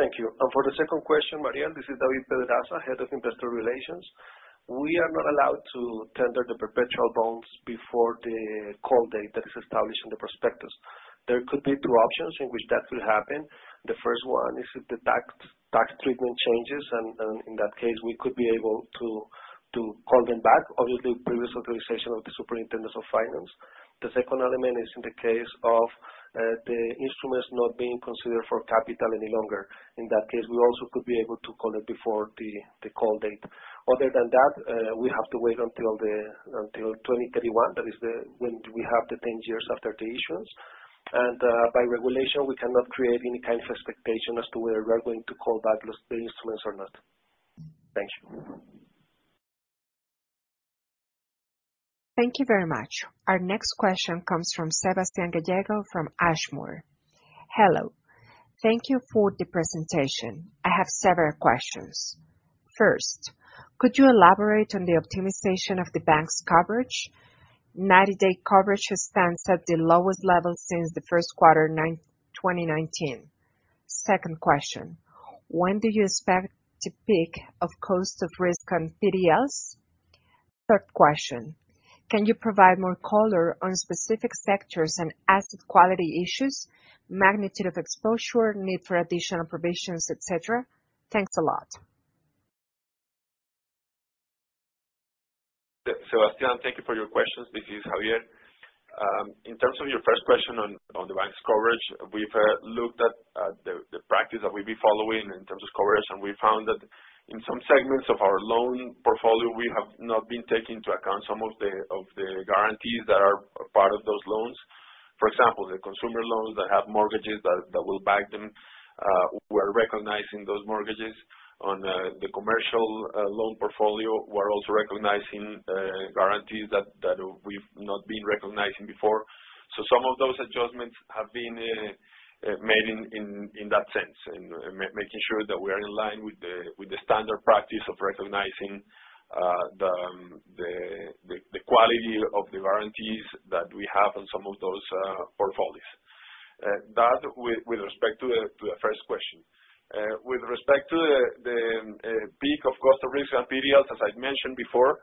Thank you. For the second question, Mariela, this is David Pedraza, Head of Investor Relations. We are not allowed to tender the perpetual bonds before the call date that is established in the prospectus. There could be two options in which that will happen. The first one is if the tax treatment changes and in that case, we could be able to call them back under the previous authorization of the Superintendence of Finance. The second element is in the case of the instruments not being considered for capital any longer. In that case, we also could be able to call it before the call date. Other than that, we have to wait until 2031. That is when we have the 10 years after the issuance. By regulation, we cannot create any kind of expectation as to whether we are going to call back those instruments or not. Thank you. Thank you very much. Our next question comes from Sebastian Gallego from Ashmore. Hello. Thank you for the presentation. I have several questions. First, could you elaborate on the optimization of the bank's coverage? 90-day coverage stands at the lowest level since the first quarter 2019. Second question, when do you expect to peak of cost of risk on PDLs? Third question, can you provide more color on specific sectors and asset quality issues, magnitude of exposure, need for additional provisions, et cetera? Thanks a lot. Sebastian, thank you for your questions. This is Javier. In terms of your first question on the bank's coverage, we've looked at the practice that we've been following in terms of coverage. We found that in some segments of our loan portfolio, we have not been taking into account some of the guarantees that are part of those loans. For example, the consumer loans that have mortgages that will back them, we're recognizing those mortgages. On the commercial loan portfolio, we're also recognizing guarantees that we've not been recognizing before. Some of those adjustments have been made in, in that sense, making sure that we are in line with the standard practice of recognizing the quality of the guarantees that we have on some of those portfolios. That with respect to the first question. With respect to the peak of cost of risk and PDLs, as I mentioned before,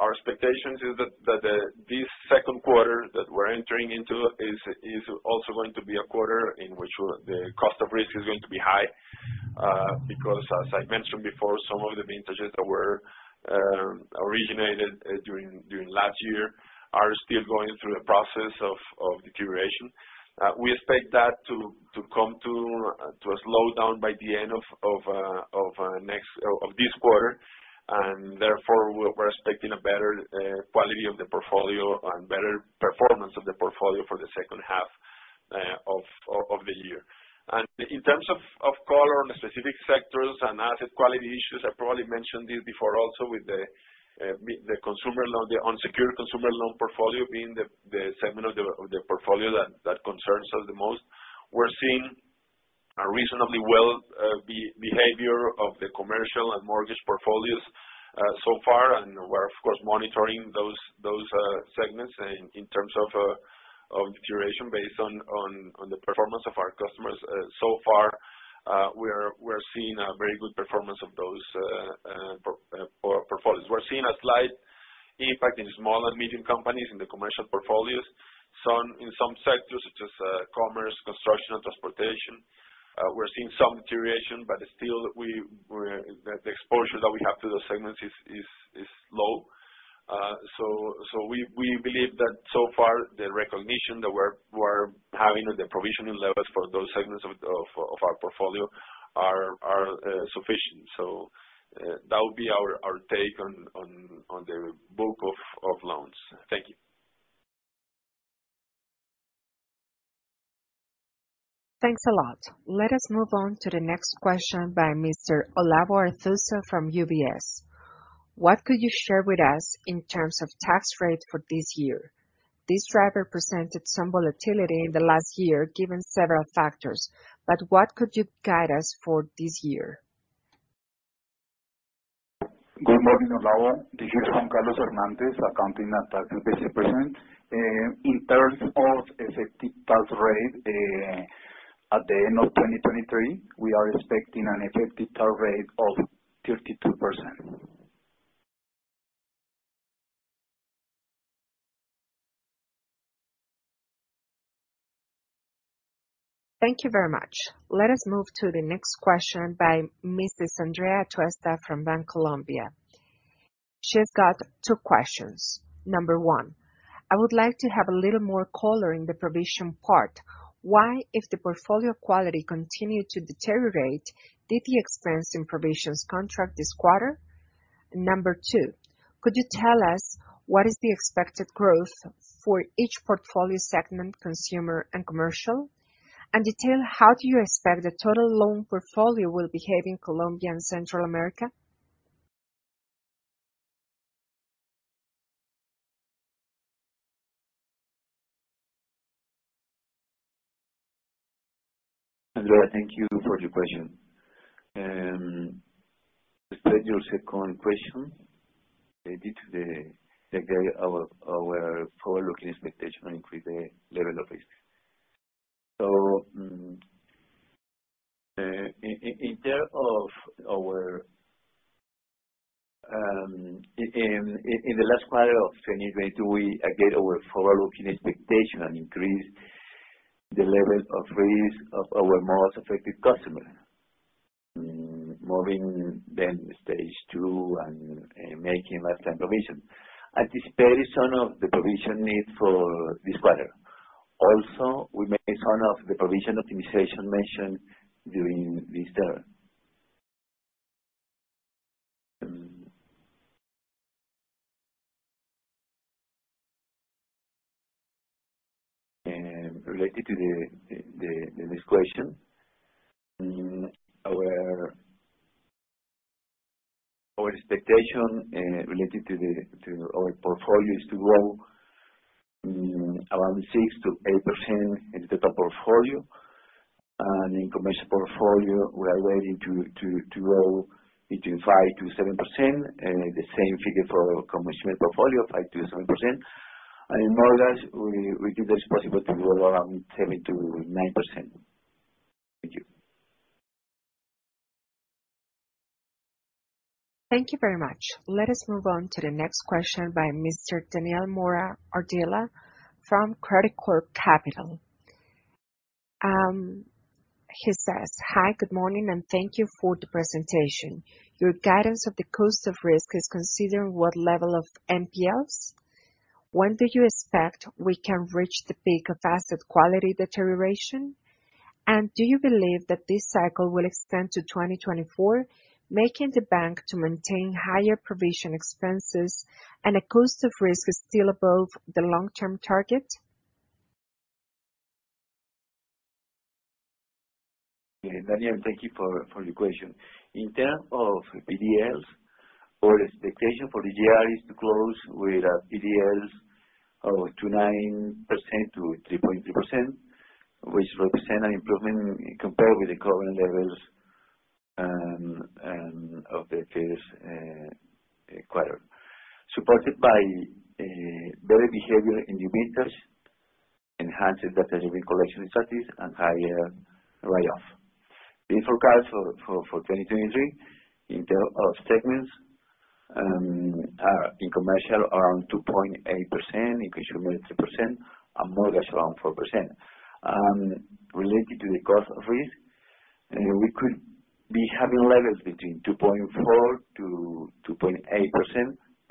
our expectations is that this second quarter that we're entering into is also going to be a quarter in which the cost of risk is going to be high. Because as I mentioned before, some of the vintages that were originated during last year are still going through a process of deterioration. We expect that to come to a slowdown by the end of this quarter. Therefore, we're expecting a better quality of the portfolio and better performance of the portfolio for the second half of the year. In terms of color on the specific sectors and asset quality issues, I probably mentioned this before also with the consumer loan, the unsecured consumer loan portfolio being the segment of the portfolio that concerns us the most. We're seeing a reasonably well behavior of the commercial and mortgage portfolios so far. We're of course monitoring those segments in terms of deterioration based on the performance of our customers. So far, we're seeing a very good performance of those portfolios. We're seeing a slight impact in small and medium companies in the commercial portfolios. Some, in some sectors such as commerce, construction or transportation, we're seeing some deterioration. Still we're the exposure that we have to those segments is low. We believe that so far the recognition that we're having on the provisioning levels for those segments of our portfolio are sufficient. That would be our take on the book of loans. Thank you. Thanks a lot. Let us move on to the next question by Mr. Olavo Arthuzo from UBS. What could you share with us in terms of tax rate for this year? This driver presented some volatility in the last year given several factors. What could you guide us for this year? Good morning, Olavo. This is Juan Carlos Hernández, Accounting and Tax VP present. In terms of effective tax rate, at the end of 2023, we are expecting an effective tax rate of 32%. Thank you very much. Let us move to the next question by Mrs. Andrea Tuesta from Bancolombia. She's got two questions. Number one, I would like to have a little more color in the provision part. Why, if the portfolio quality continued to deteriorate, did the expense in provisions contract this quarter? Number two, could you tell us what is the expected growth for each portfolio segment, consumer and commercial? Detail how do you expect the total loan portfolio will behave in Colombia and Central America? Andrea, thank you for your question. To address your second question, due to the guide our forward-looking expectation and with the level of risk. In term of our, in the last quarter of 2022, we, again, our forward-looking expectation and increased the level of risk of our most affected customer. Moving them stage two and making less than provision. Anticipating some of the provision need for this quarter. We made some of the provision optimization mentioned during this term. Related to the next question, our expectation related to our portfolio is to grow around 6%-8% in total portfolio. In commercial portfolio, we are waiting to grow between 5%-7%, the same figure for commercial portfolio, 5%-7%. In mortgages, we think that's possible to grow around 7%-9%. Thank you. Thank you very much. Let us move on to the next question by Mr. Daniel Mora Ardila from Credicorp Capital. He says, hi, good morning, and thank you for the presentation. Your guidance of the cost of risk is considering what level of NPLs? When do you expect we can reach the peak of asset quality deterioration? Do you believe that this cycle will extend to 2024, making the bank to maintain higher provision expenses, and the cost of risk is still above the long-term target? Daniel, thank you for your question. In term of PDLs, our expectation for the year is to close with PDLs of 2.9% to 3.3%, which will represent an improvement compared with the current levels of the case quarter. Supported by better behavior in diligence, enhanced data driven collection strategies, and higher write-off. The forecast for 2023 in term of statements are in commercial, around 2.8%, in consumer, 3%, and mortgage, around 4%. Related to the cost of risk, we could be having levels between 2.4%-2.8%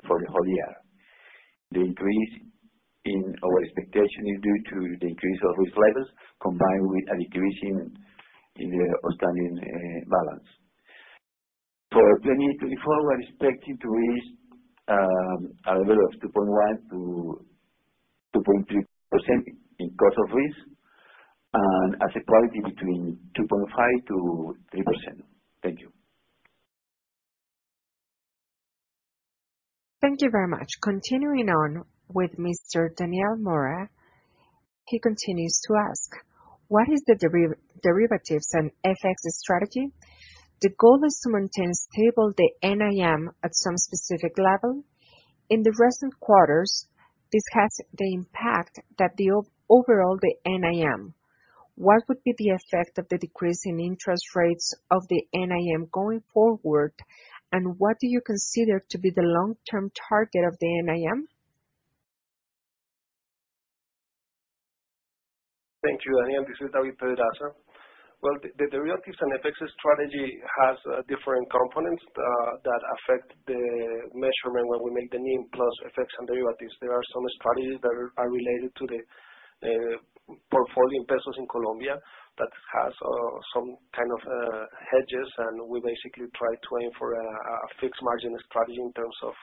for the whole year. The increase in our expectation is due to the increase of risk levels combined with a decrease in the outstanding balance. For 2024, we're expecting to reach a level of 2.1%-2.3% in cost of risk and asset quality between 2.5%-3%. Thank you. Thank you very much. Continuing on with Mr. Daniel Mora. He continues to ask, what is the derivatives and FX strategy? The goal is to maintain stable the NIM at some specific level. In the recent quarters, this has the impact that the overall, the NIM. What would be the effect of the decrease in interest rates of the NIM going forward, and what do you consider to be the long-term target of the NIM? Thank you, Daniel. This is David Pedraza. Well, the derivatives and FX strategy has different components that affect the measurement when we make the NIM plus FX and derivatives. There are some strategies that are related to the portfolio in pesos in Colombia that has some kind of hedges. We basically try to aim for a fixed margin strategy in terms of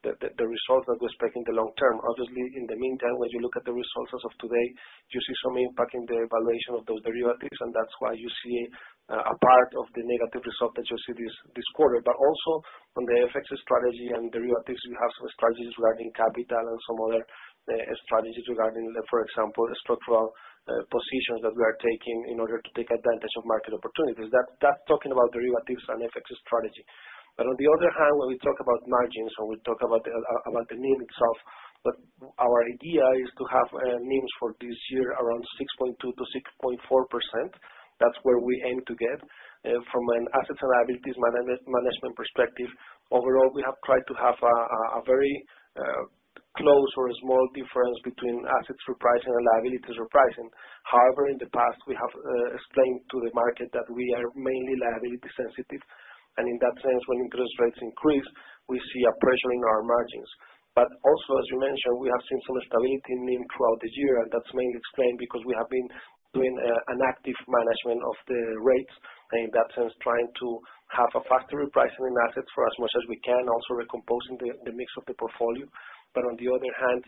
the result that we expect in the long term. Obviously, in the meantime, when you look at the results as of today, you see some impact in the valuation of those derivatives, and that's why you see a part of the negative result that you see this quarter. Also on the FX strategy and derivatives, we have some strategies regarding capital and some other strategies regarding, for example, structural positions that we are taking in order to take advantage of market opportunities. That's talking about derivatives and FX strategy. On the other hand, when we talk about margins or we talk about the NIM itself, our idea is to have NIM for this year around 6.2%-6.4%. That's where we aim to get from an assets and liabilities management perspective. Overall, we have tried to have a very close or a small difference between assets repricing and liabilities repricing. In the past, we have explained to the market that we are mainly liability sensitive, and in that sense, when interest rates increase, we see a pressure in our margins. Also, as you mentioned, we have seen some stability in NIM throughout this year, and that's mainly explained because we have been doing an active management of the rates, in that sense, trying to have a faster repricing in assets for as much as we can, also recomposing the mix of the portfolio. On the other hand,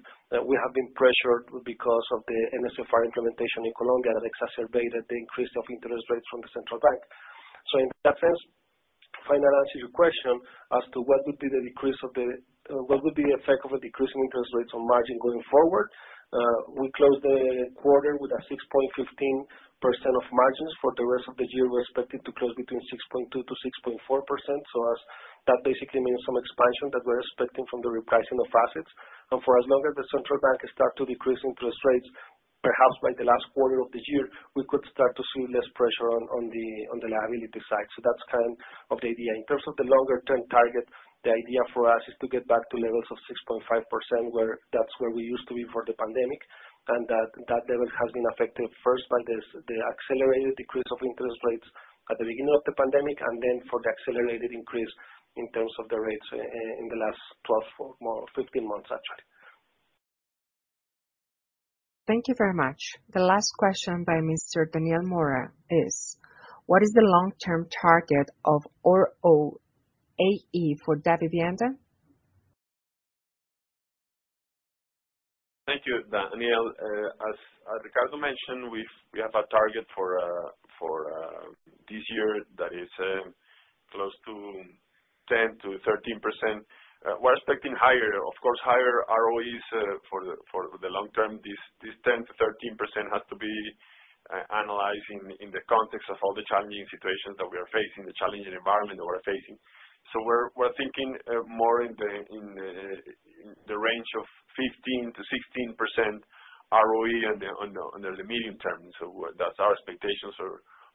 we have been pressured because of the NSFR implementation in Colombia that exacerbated the increase of interest rates from the central bank. In that sense, if I may answer your question as to what would be the effect of a decrease in interest rates on margin going forward, we closed the quarter with a 6.15% of margins. For the rest of the year, we're expecting to close between 6.2%-6.4%, that basically means some expansion that we're expecting from the repricing of assets. For as long as the central bank start to decrease interest rates. Perhaps by the last quarter of this year, we could start to see less pressure on the liability side. That's kind of the idea. In terms of the longer-term target, the idea for us is to get back to levels of 6.5%, where that's where we used to be before the pandemic, and that level has been affected first by this, the accelerated decrease of interest rates at the beginning of the pandemic, and then for the accelerated increase in terms of the rates in the last 12 or 15 months, actually. Thank you very much. The last question by Mr. Daniel Mora is: What is the long-term target of ROAE for Davivienda? Thank you, Daniel. As Ricardo mentioned, we've, we have a target for this year that is close to 10%-13%. We're expecting higher, of course, higher ROEs for the long term. This 10%-13% has to be analyzed in the context of all the challenging situations that we are facing, the challenging environment that we're facing. We're thinking more in the range of 15%-16% ROE on the medium term. That's our expectations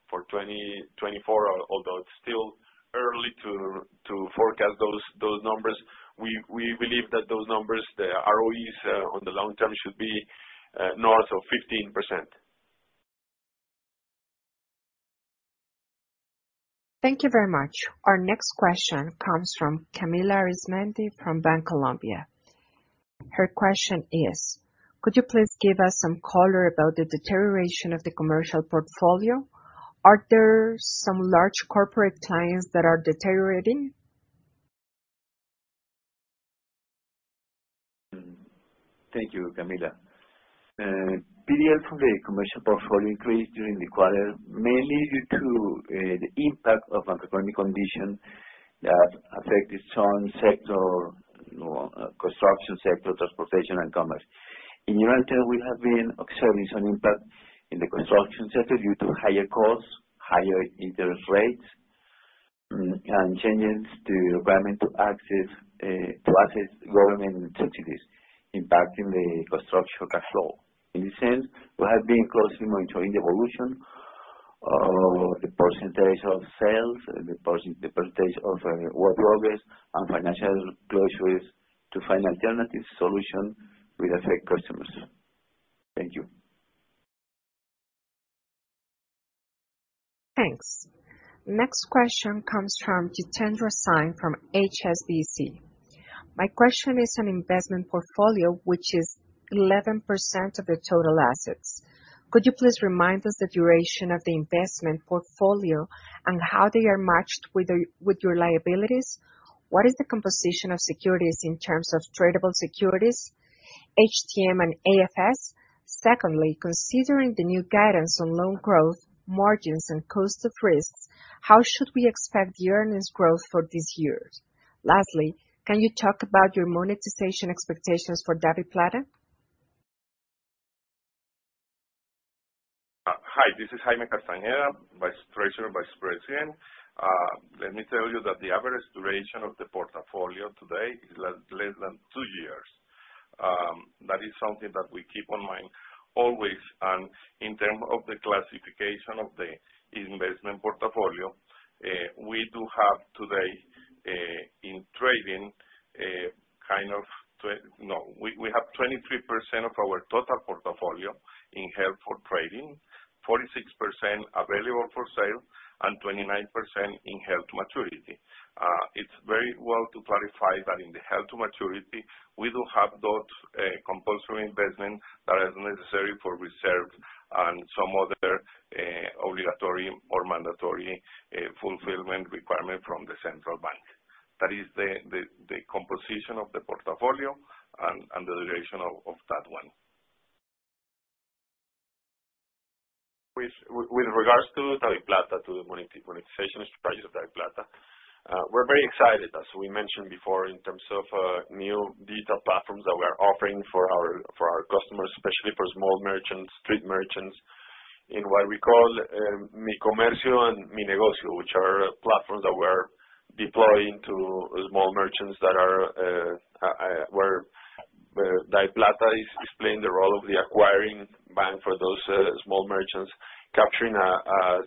for 2024, although it's still early to forecast those numbers. We believe that those numbers, the ROEs on the long term should be north of 15%. Thank you very much. Our next question comes from Camila Arizmendi from Bancolombia. Her question is: Could you please give us some color about the deterioration of the commercial portfolio? Are there some large corporate clients that are deteriorating? Thank you, Camila. PDL from the commercial portfolio increased during the quarter, mainly due to the impact of macroeconomic condition that affected some sector, you know, construction sector, transportation, and commerce. In year-on-year, we have been observing some impact in the construction sector due to higher costs, higher interest rates, and changes to the environment to access government subsidies impacting the construction cash flow. In this sense, we have been closely monitoring the evolution of the percentage of sales, the percentage of work progress and financial closures to find alternative solution with affected customers. Thank you. Thanks. Next question comes from Jitendra Singh from HSBC. My question is on investment portfolio, which is 11% of the total assets. Could you please remind us the duration of the investment portfolio and how they are matched with your liabilities? What is the composition of securities in terms of tradable securities, HTM, and AFS? Secondly, considering the new guidance on loan growth, margins, and cost of risks, how should we expect the earnings growth for this year? Lastly, can you talk about your monetization expectations for DaviPlata? Hi, this is Jaime Castañeda, Vice Treasurer and Vice President. Let me tell you that the average duration of the portfolio today is less than two years. That is something that we keep on mind always. In terms of the classification of the investment portfolio, we do have today in trading, we have 23% of our total portfolio in held for trading, 46% available for sale, and 29% in held to maturity. It's very well to clarify that in the held to maturity, we do have those compulsory investment that is necessary for reserves and some other obligatory or mandatory fulfillment requirement from the central bank. That is the composition of the portfolio and the duration of that one. With regards to DaviPlata, to the monetization strategies of DaviPlata, we're very excited, as we mentioned before, in terms of new digital platforms that we are offering for our customers, especially for small merchants, street merchants, in what we call, Mi Comercio and Mi Negocio, which are platforms that we're deploying to small merchants that are where DaviPlata is playing the role of the acquiring bank for those small merchants, capturing a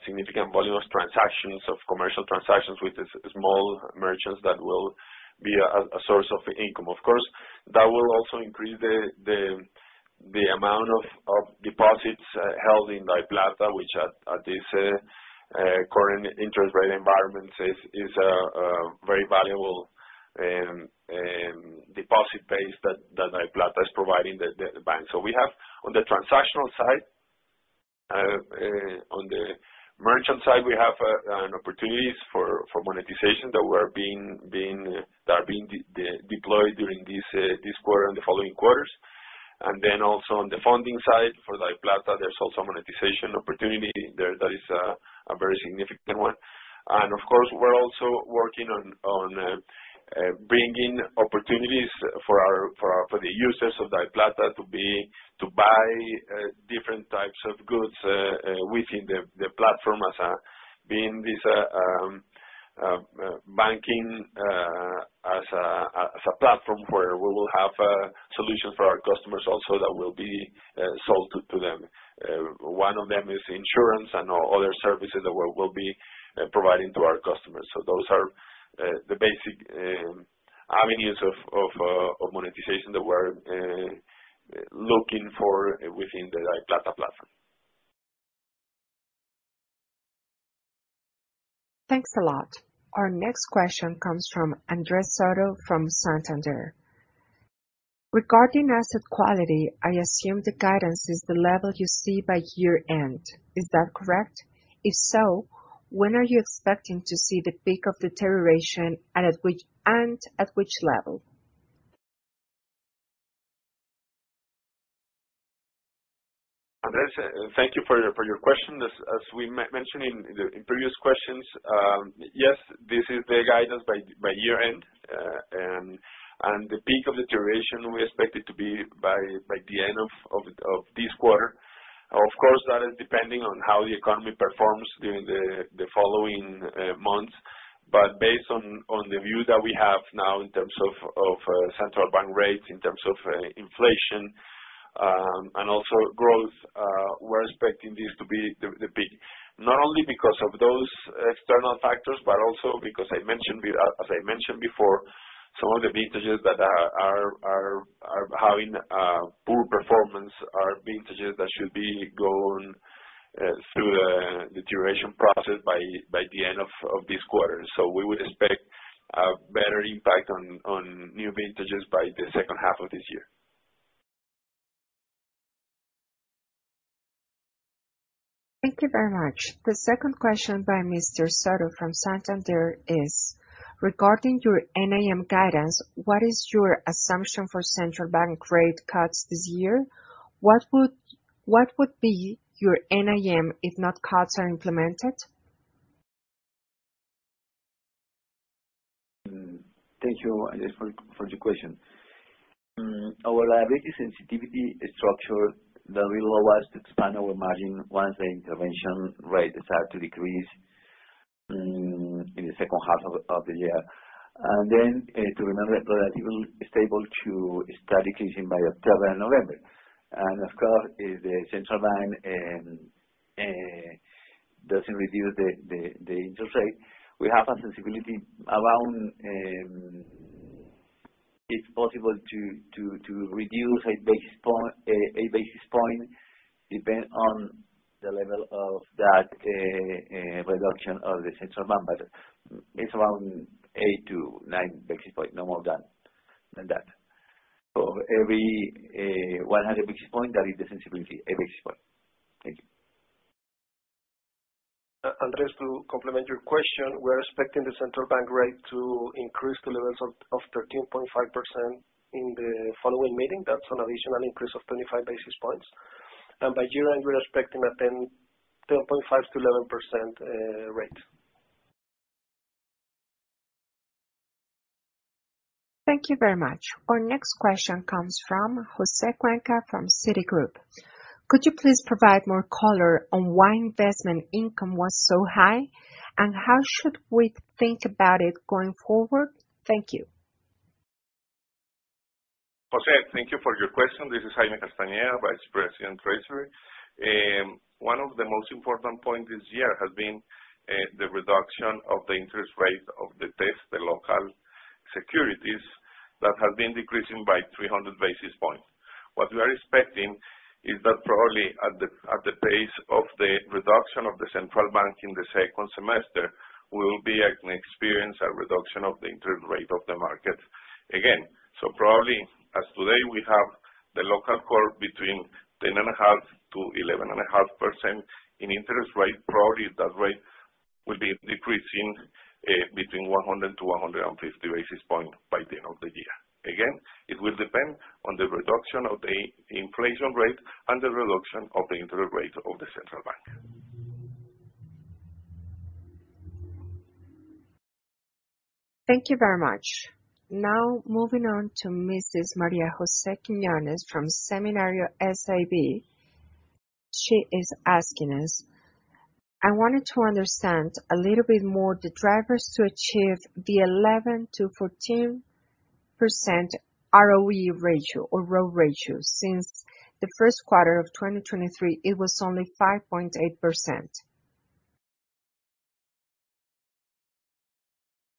significant volume of transactions, of commercial transactions with the small merchants that will be a source of income. Of course, that will also increase the amount of deposits held in DaviPlata, which at this current interest rate environment is very valuable deposit base that DaviPlata is providing the bank. We have on the transactional side, on the merchant side, we have an opportunities for monetization that are being deployed during this quarter and the following quarters. Then also on the funding side for Daviplata, there's also monetization opportunity there that is a very significant one. Of course, we're also working on bringing opportunities for the users of Daviplata to buy different types of goods within the platform as being this banking as a platform where we will have a solution for our customers also that will be sold to them. One of them is insurance and other services that we'll be providing to our customers. Those are the basic avenues of monetization that we're looking for within the DaviPlata platform. Thanks a lot. Our next question comes from Andres Soto from Santander. Regarding asset quality, I assume the guidance is the level you see by year-end. Is that correct? If so, when are you expecting to see the peak of deterioration, and at which level? Andres, thank you for your question. As we mentioned in previous questions, yes, this is the guidance by year-end. The peak of deterioration, we expect it to be by the end of this quarter. Of course, that is depending on how the economy performs during the following months. Based on the view that we have now in terms of central bank rates, in terms of inflation, and also growth, we're expecting this to be the peak. Not only because of those external factors, but also because As I mentioned before, some of the vintages that are having poor performance are vintages that should be going through the duration process by the end of this quarter. We would expect a better impact on new vintages by the second half of this year. Thank you very much. The second question by Mr. Soto from Santander is, regarding your NIM guidance, what is your assumption for central bank rate cuts this year? What would be your NIM if not cuts are implemented? Thank you, Andres, for your question. Our liability sensitivity is structured that will allow us to expand our margin once the intervention rates are to decrease in the second half of the year. To remember that probably it will be stable to start decreasing by October and November. If the central bank doesn't reduce the interest rate, we have a sensibility around. It's possible to reduce a basis point, a basis point depend on the level of that reduction of the central bank, it's around eight to nine basis point, no more than that. Every 100 basis point, that is the sensibility, a basis point. Thank you. Andres, to complement your question, we're expecting the central bank rate to increase to levels of 13.5% in the following meeting. That's an additional increase of 25 basis points. By year-end, we're expecting a 10.5%-11% rate. Thank you very much. Our next question comes from Jose Cuenca from Citigroup. Could you please provide more color on why investment income was so high, and how should we think about it going forward? Thank you. Jose, thank you for your question. This is Jaime Castaneda, Vice President, Treasury. One of the most important point this year has been the reduction of the interest rate of the test, the local securities that have been decreasing by 300 basis points. What we are expecting is that probably at the pace of the reduction of the central bank in the second semester, we will be experience a reduction of the interest rate of the market again. Probably as today we have the local core between 10.5%-11.5% in interest rate, probably that rate will be decreasing, between 100-150 basis point by the end of the year. It will depend on the reduction of the inflation rate and the reduction of the interest rate of the central bank. Thank you very much. Now moving on to Mrs. María José Quiñones from Seminario SAB. She is asking us, "I wanted to understand a little bit more the drivers to achieve the 11%-14% ROE ratio since the first quarter of 2023 it was only 5.8%.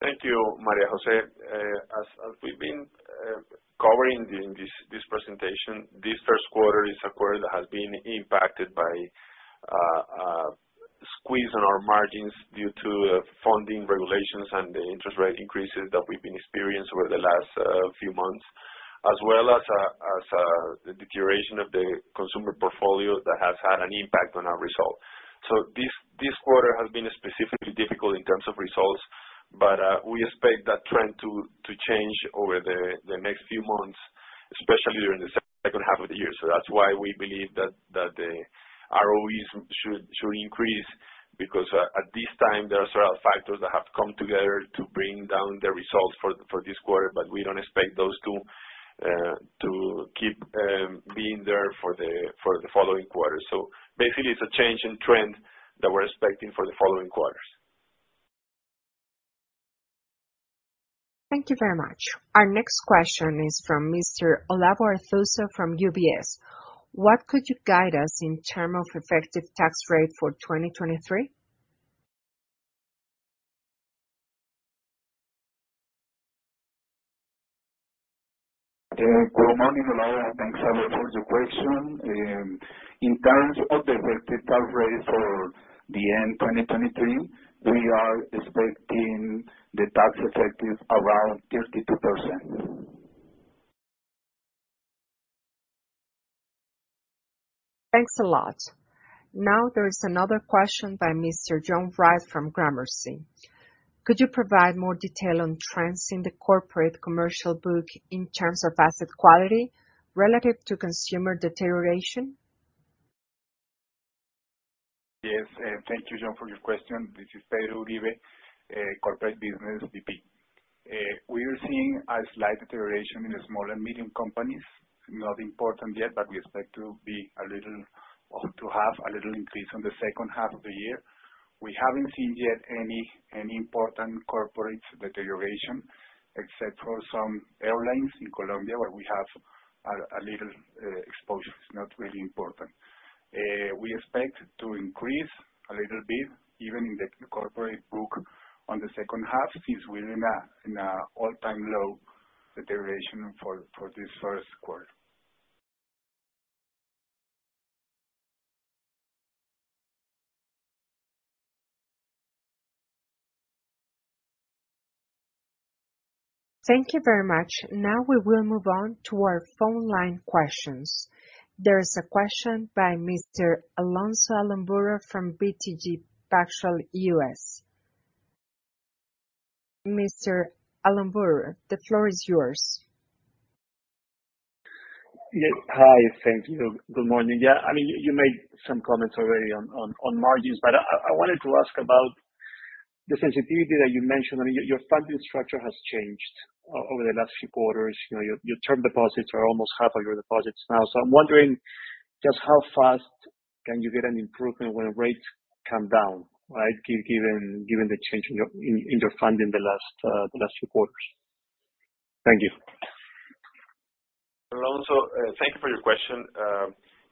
Thank you, María José. As we've been covering during this presentation, this first quarter is a quarter that has been impacted by a squeeze on our margins due to funding regulations and the interest rate increases that we've been experienced over the last few months, as well as the deterioration of the consumer portfolio that has had an impact on our result. This quarter has been specifically difficult in terms of results, but we expect that trend to change over the next few months, especially during the second half of the year. That's why we believe that the ROE should increase, because at this time, there are several factors that have come together to bring down the results for this quarter. We don't expect those to keep being there for the following quarter. Basically, it's a change in trend that we're expecting for the following quarters. Thank you very much. Our next question is from Mr. Olavo Arthuzo from UBS. What could you guide us in term of effective tax rate for 2023? Good morning, Olavo, and thanks a lot for the question. In terms of the effective tax rate for the end 2023, we are expecting the tax effective around 32%. Thanks a lot. Now there is another question by Mr. John Bryce from Gramercy. Could you provide more detail on trends in the corporate commercial book in terms of asset quality relative to consumer deterioration? Yes, thank you, John, for your question. This is Pedro Uribe, Corporate Business VP. We are seeing a slight deterioration in the small and medium companies. Not important yet, we expect to be a little, or to have a little increase on the second half of the year. We haven't seen yet any important corporate deterioration except for some airlines in Colombia, where we have a little exposure. It's not really important. We expect to increase a little bit even in the corporate book on the second half since we're in an all-time low deterioration for this first quarter. Thank you very much. Now we will move on to our phone line questions. There is a question by Mr. Alonso Aramburú from BTG Pactual US. Mr. Aramburú, the floor is yours. Yeah. Hi. Thank you. Good morning. Yeah, I mean, you made some comments already on margins, but I wanted to ask about the sensitivity that you mentioned. I mean, your funding structure has changed over the last few quarters. You know, your term deposits are almost half of your deposits now. I'm wondering just how fast can you get an improvement when rates come down, right? Given the change in your funding the last few quarters. Thank you. Alonso, thank you for your question.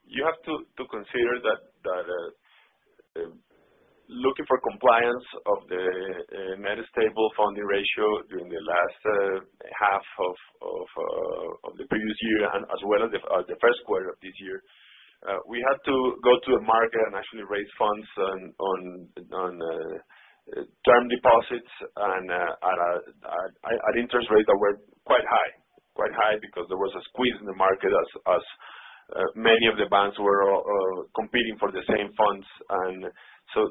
You have to consider that looking for compliance of the Net Stable Funding Ratio during the last half of the previous year and as well as the 1st quarter of this year, we had to go to the market and actually raise funds on term deposits at interest rates that were quite high. Quite high because there was a squeeze in the market as many of the banks were competing for the same funds.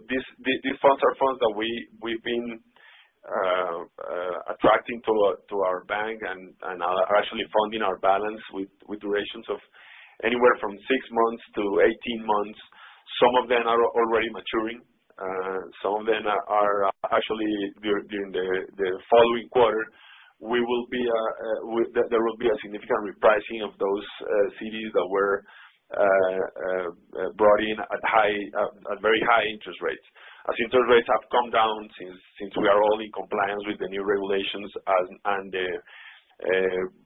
These funds are funds that we've been attracting to our bank and are actually funding our balance with durations of anywhere from six months to 18 months. Some of them are already maturing. Some of them are actually during the following quarter, we will be. There will be a significant repricing of those CDs that were brought in at high, at very high interest rates. As interest rates have come down since we are all in compliance with the new regulations and the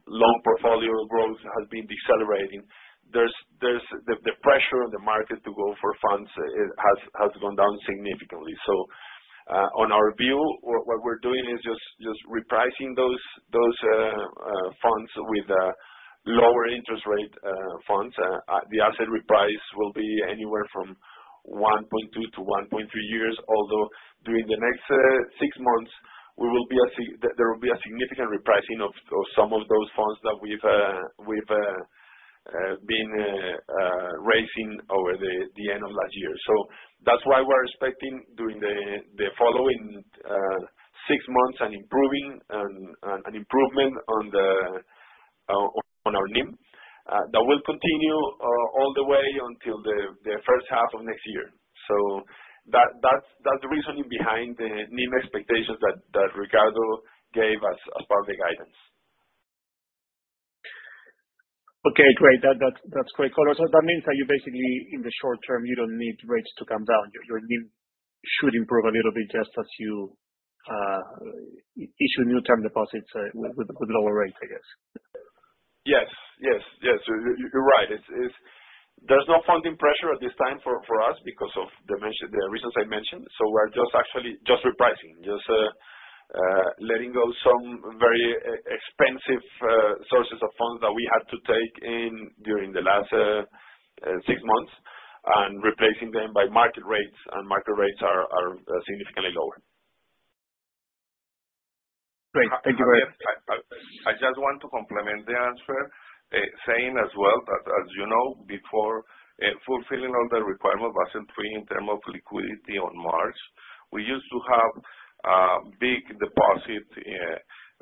loan portfolio growth has been decelerating, there's the pressure on the market to go for funds has gone down significantly. So, on our view, what we're doing is just repricing those funds with lower interest rate funds. The asset reprice will be anywhere from 1.2 to 1.3 years, although during the next six months we will be a sig. There will be a significant repricing of some of those funds that we've been raising over the end of last year. That's why we're expecting during the following six months an improvement on our NIM that will continue all the way until the first half of next year. That's the reasoning behind the NIM expectations that Ricardo gave as part of the guidance. Great, that's great color. That means that you basically, in the short term, you don't need rates to come down. Your NIM should improve a little bit just as you issue new term deposits with lower rates, I guess. Yes. Yes. Yes. You're right. There's no funding pressure at this time for us because of the reasons I mentioned. We're just actually just repricing. Just letting go some very expensive sources of funds that we had to take in during the last six months and replacing them by market rates. Market rates are significantly lower. Great. Thank you. I just want to complement the answer, saying as well that as you know, before fulfilling all the requirements Basel III in term of liquidity on March, we used to have big deposit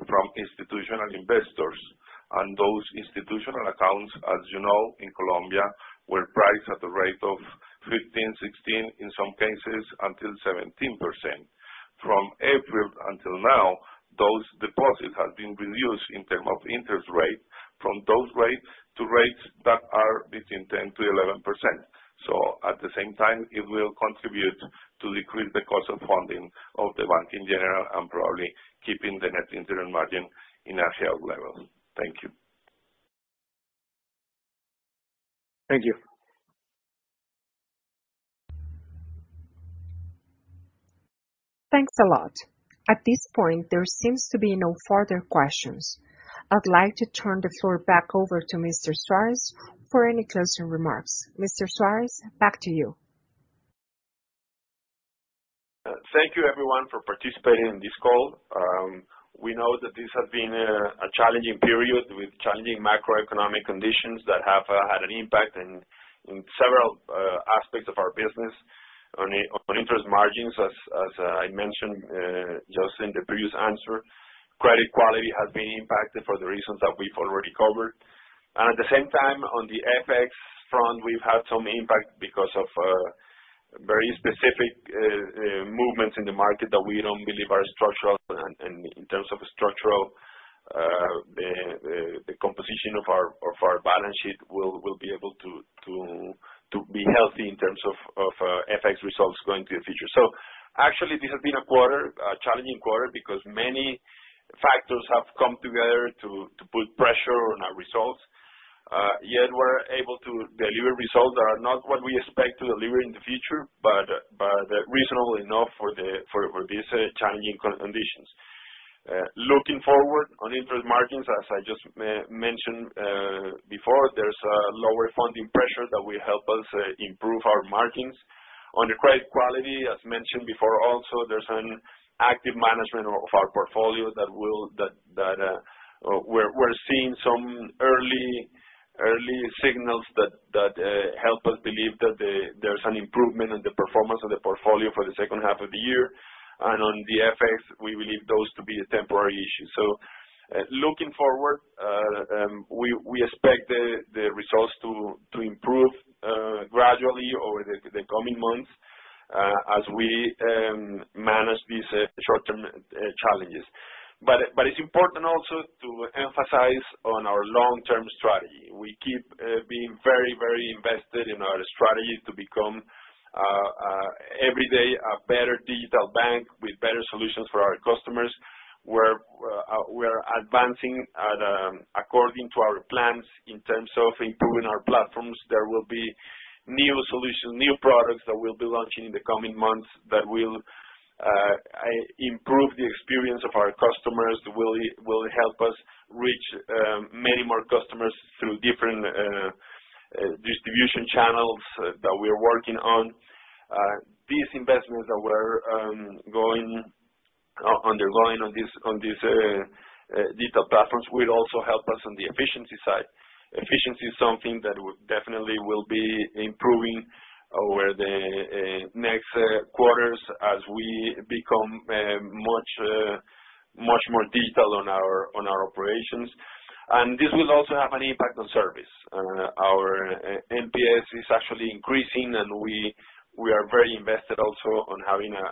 from institutional investors. Those institutional accounts, as you know, in Colombia were priced at the rate of 15%, 16%, in some cases until 17%. From April until now, those deposits have been reduced in term of interest rate from those rates to rates that are between 10% to 11%. At the same time, it will contribute to decrease the cost of funding of the bank in general and probably keeping the net interest margin in a healthy level. Thank you. Thank you. Thanks a lot. At this point, there seems to be no further questions. I'd like to turn the floor back over to Mr. Suarez for any closing remarks. Mr. Suarez, back to you. Thank you everyone for participating in this call. We know that this has been a challenging period with challenging macroeconomic conditions that have had an impact in several aspects of our business. On interest margins, as I mentioned just in the previous answer, credit quality has been impacted for the reasons that we've already covered. At the same time, on the FX front, we've had some impact because of very specific movements in the market that we don't believe are structural. In terms of structural, the composition of our balance sheet will be able to be healthy in terms of FX results going to the future. Actually, this has been a quarter, a challenging quarter because many factors have come together to put pressure on our results. Yet we're able to deliver results that are not what we expect to deliver in the future, but reasonable enough for this challenging conditions. Looking forward, on interest margins, as I just mentioned before, there's a lower funding pressure that will help us improve our margins. On the credit quality, as mentioned before also, there's an active management of our portfolio that will, that we're seeing some early signals that help us believe that there's an improvement in the performance of the portfolio for the second half of the year. On the FX, we believe those to be a temporary issue. Looking forward, we expect the results to improve gradually over the coming months as we manage these short-term challenges. It's important also to emphasize on our long-term strategy. We keep being very invested in our strategy to become every day a better digital bank with better solutions for our customers. We're advancing at according to our plans in terms of improving our platforms. There will be new solutions, new products that we'll be launching in the coming months that will improve the experience of our customers, will help us reach many more customers through different distribution channels that we are working on. These investments that we're undergoing on this, on this digital platforms will also help us on the efficiency side. Efficiency is something that we definitely will be improving over the next quarters as we become much more detailed on our, on our operations. This will also have an impact on service. Our NPS is actually increasing, and we are very invested also on having a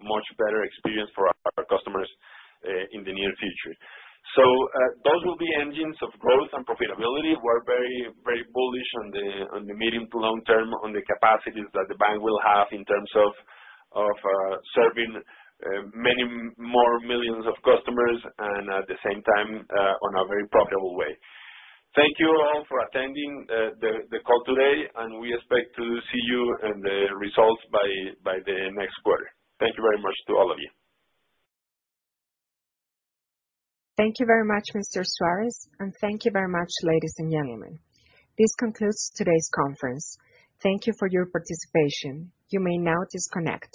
much better experience for our customers in the near future. Those will be engines of growth and profitability. We're very, very bullish on the medium to long term, on the capacities that the bank will have in terms of serving many more millions of customers, and at the same time, on a very profitable way. Thank you all for attending, the call today, and we expect to see you in the results by the next quarter. Thank you very much to all of you. Thank you very much, Mr. Suarez, and thank you very much, ladies and gentlemen. This concludes today's conference. Thank you for your participation. You may now disconnect.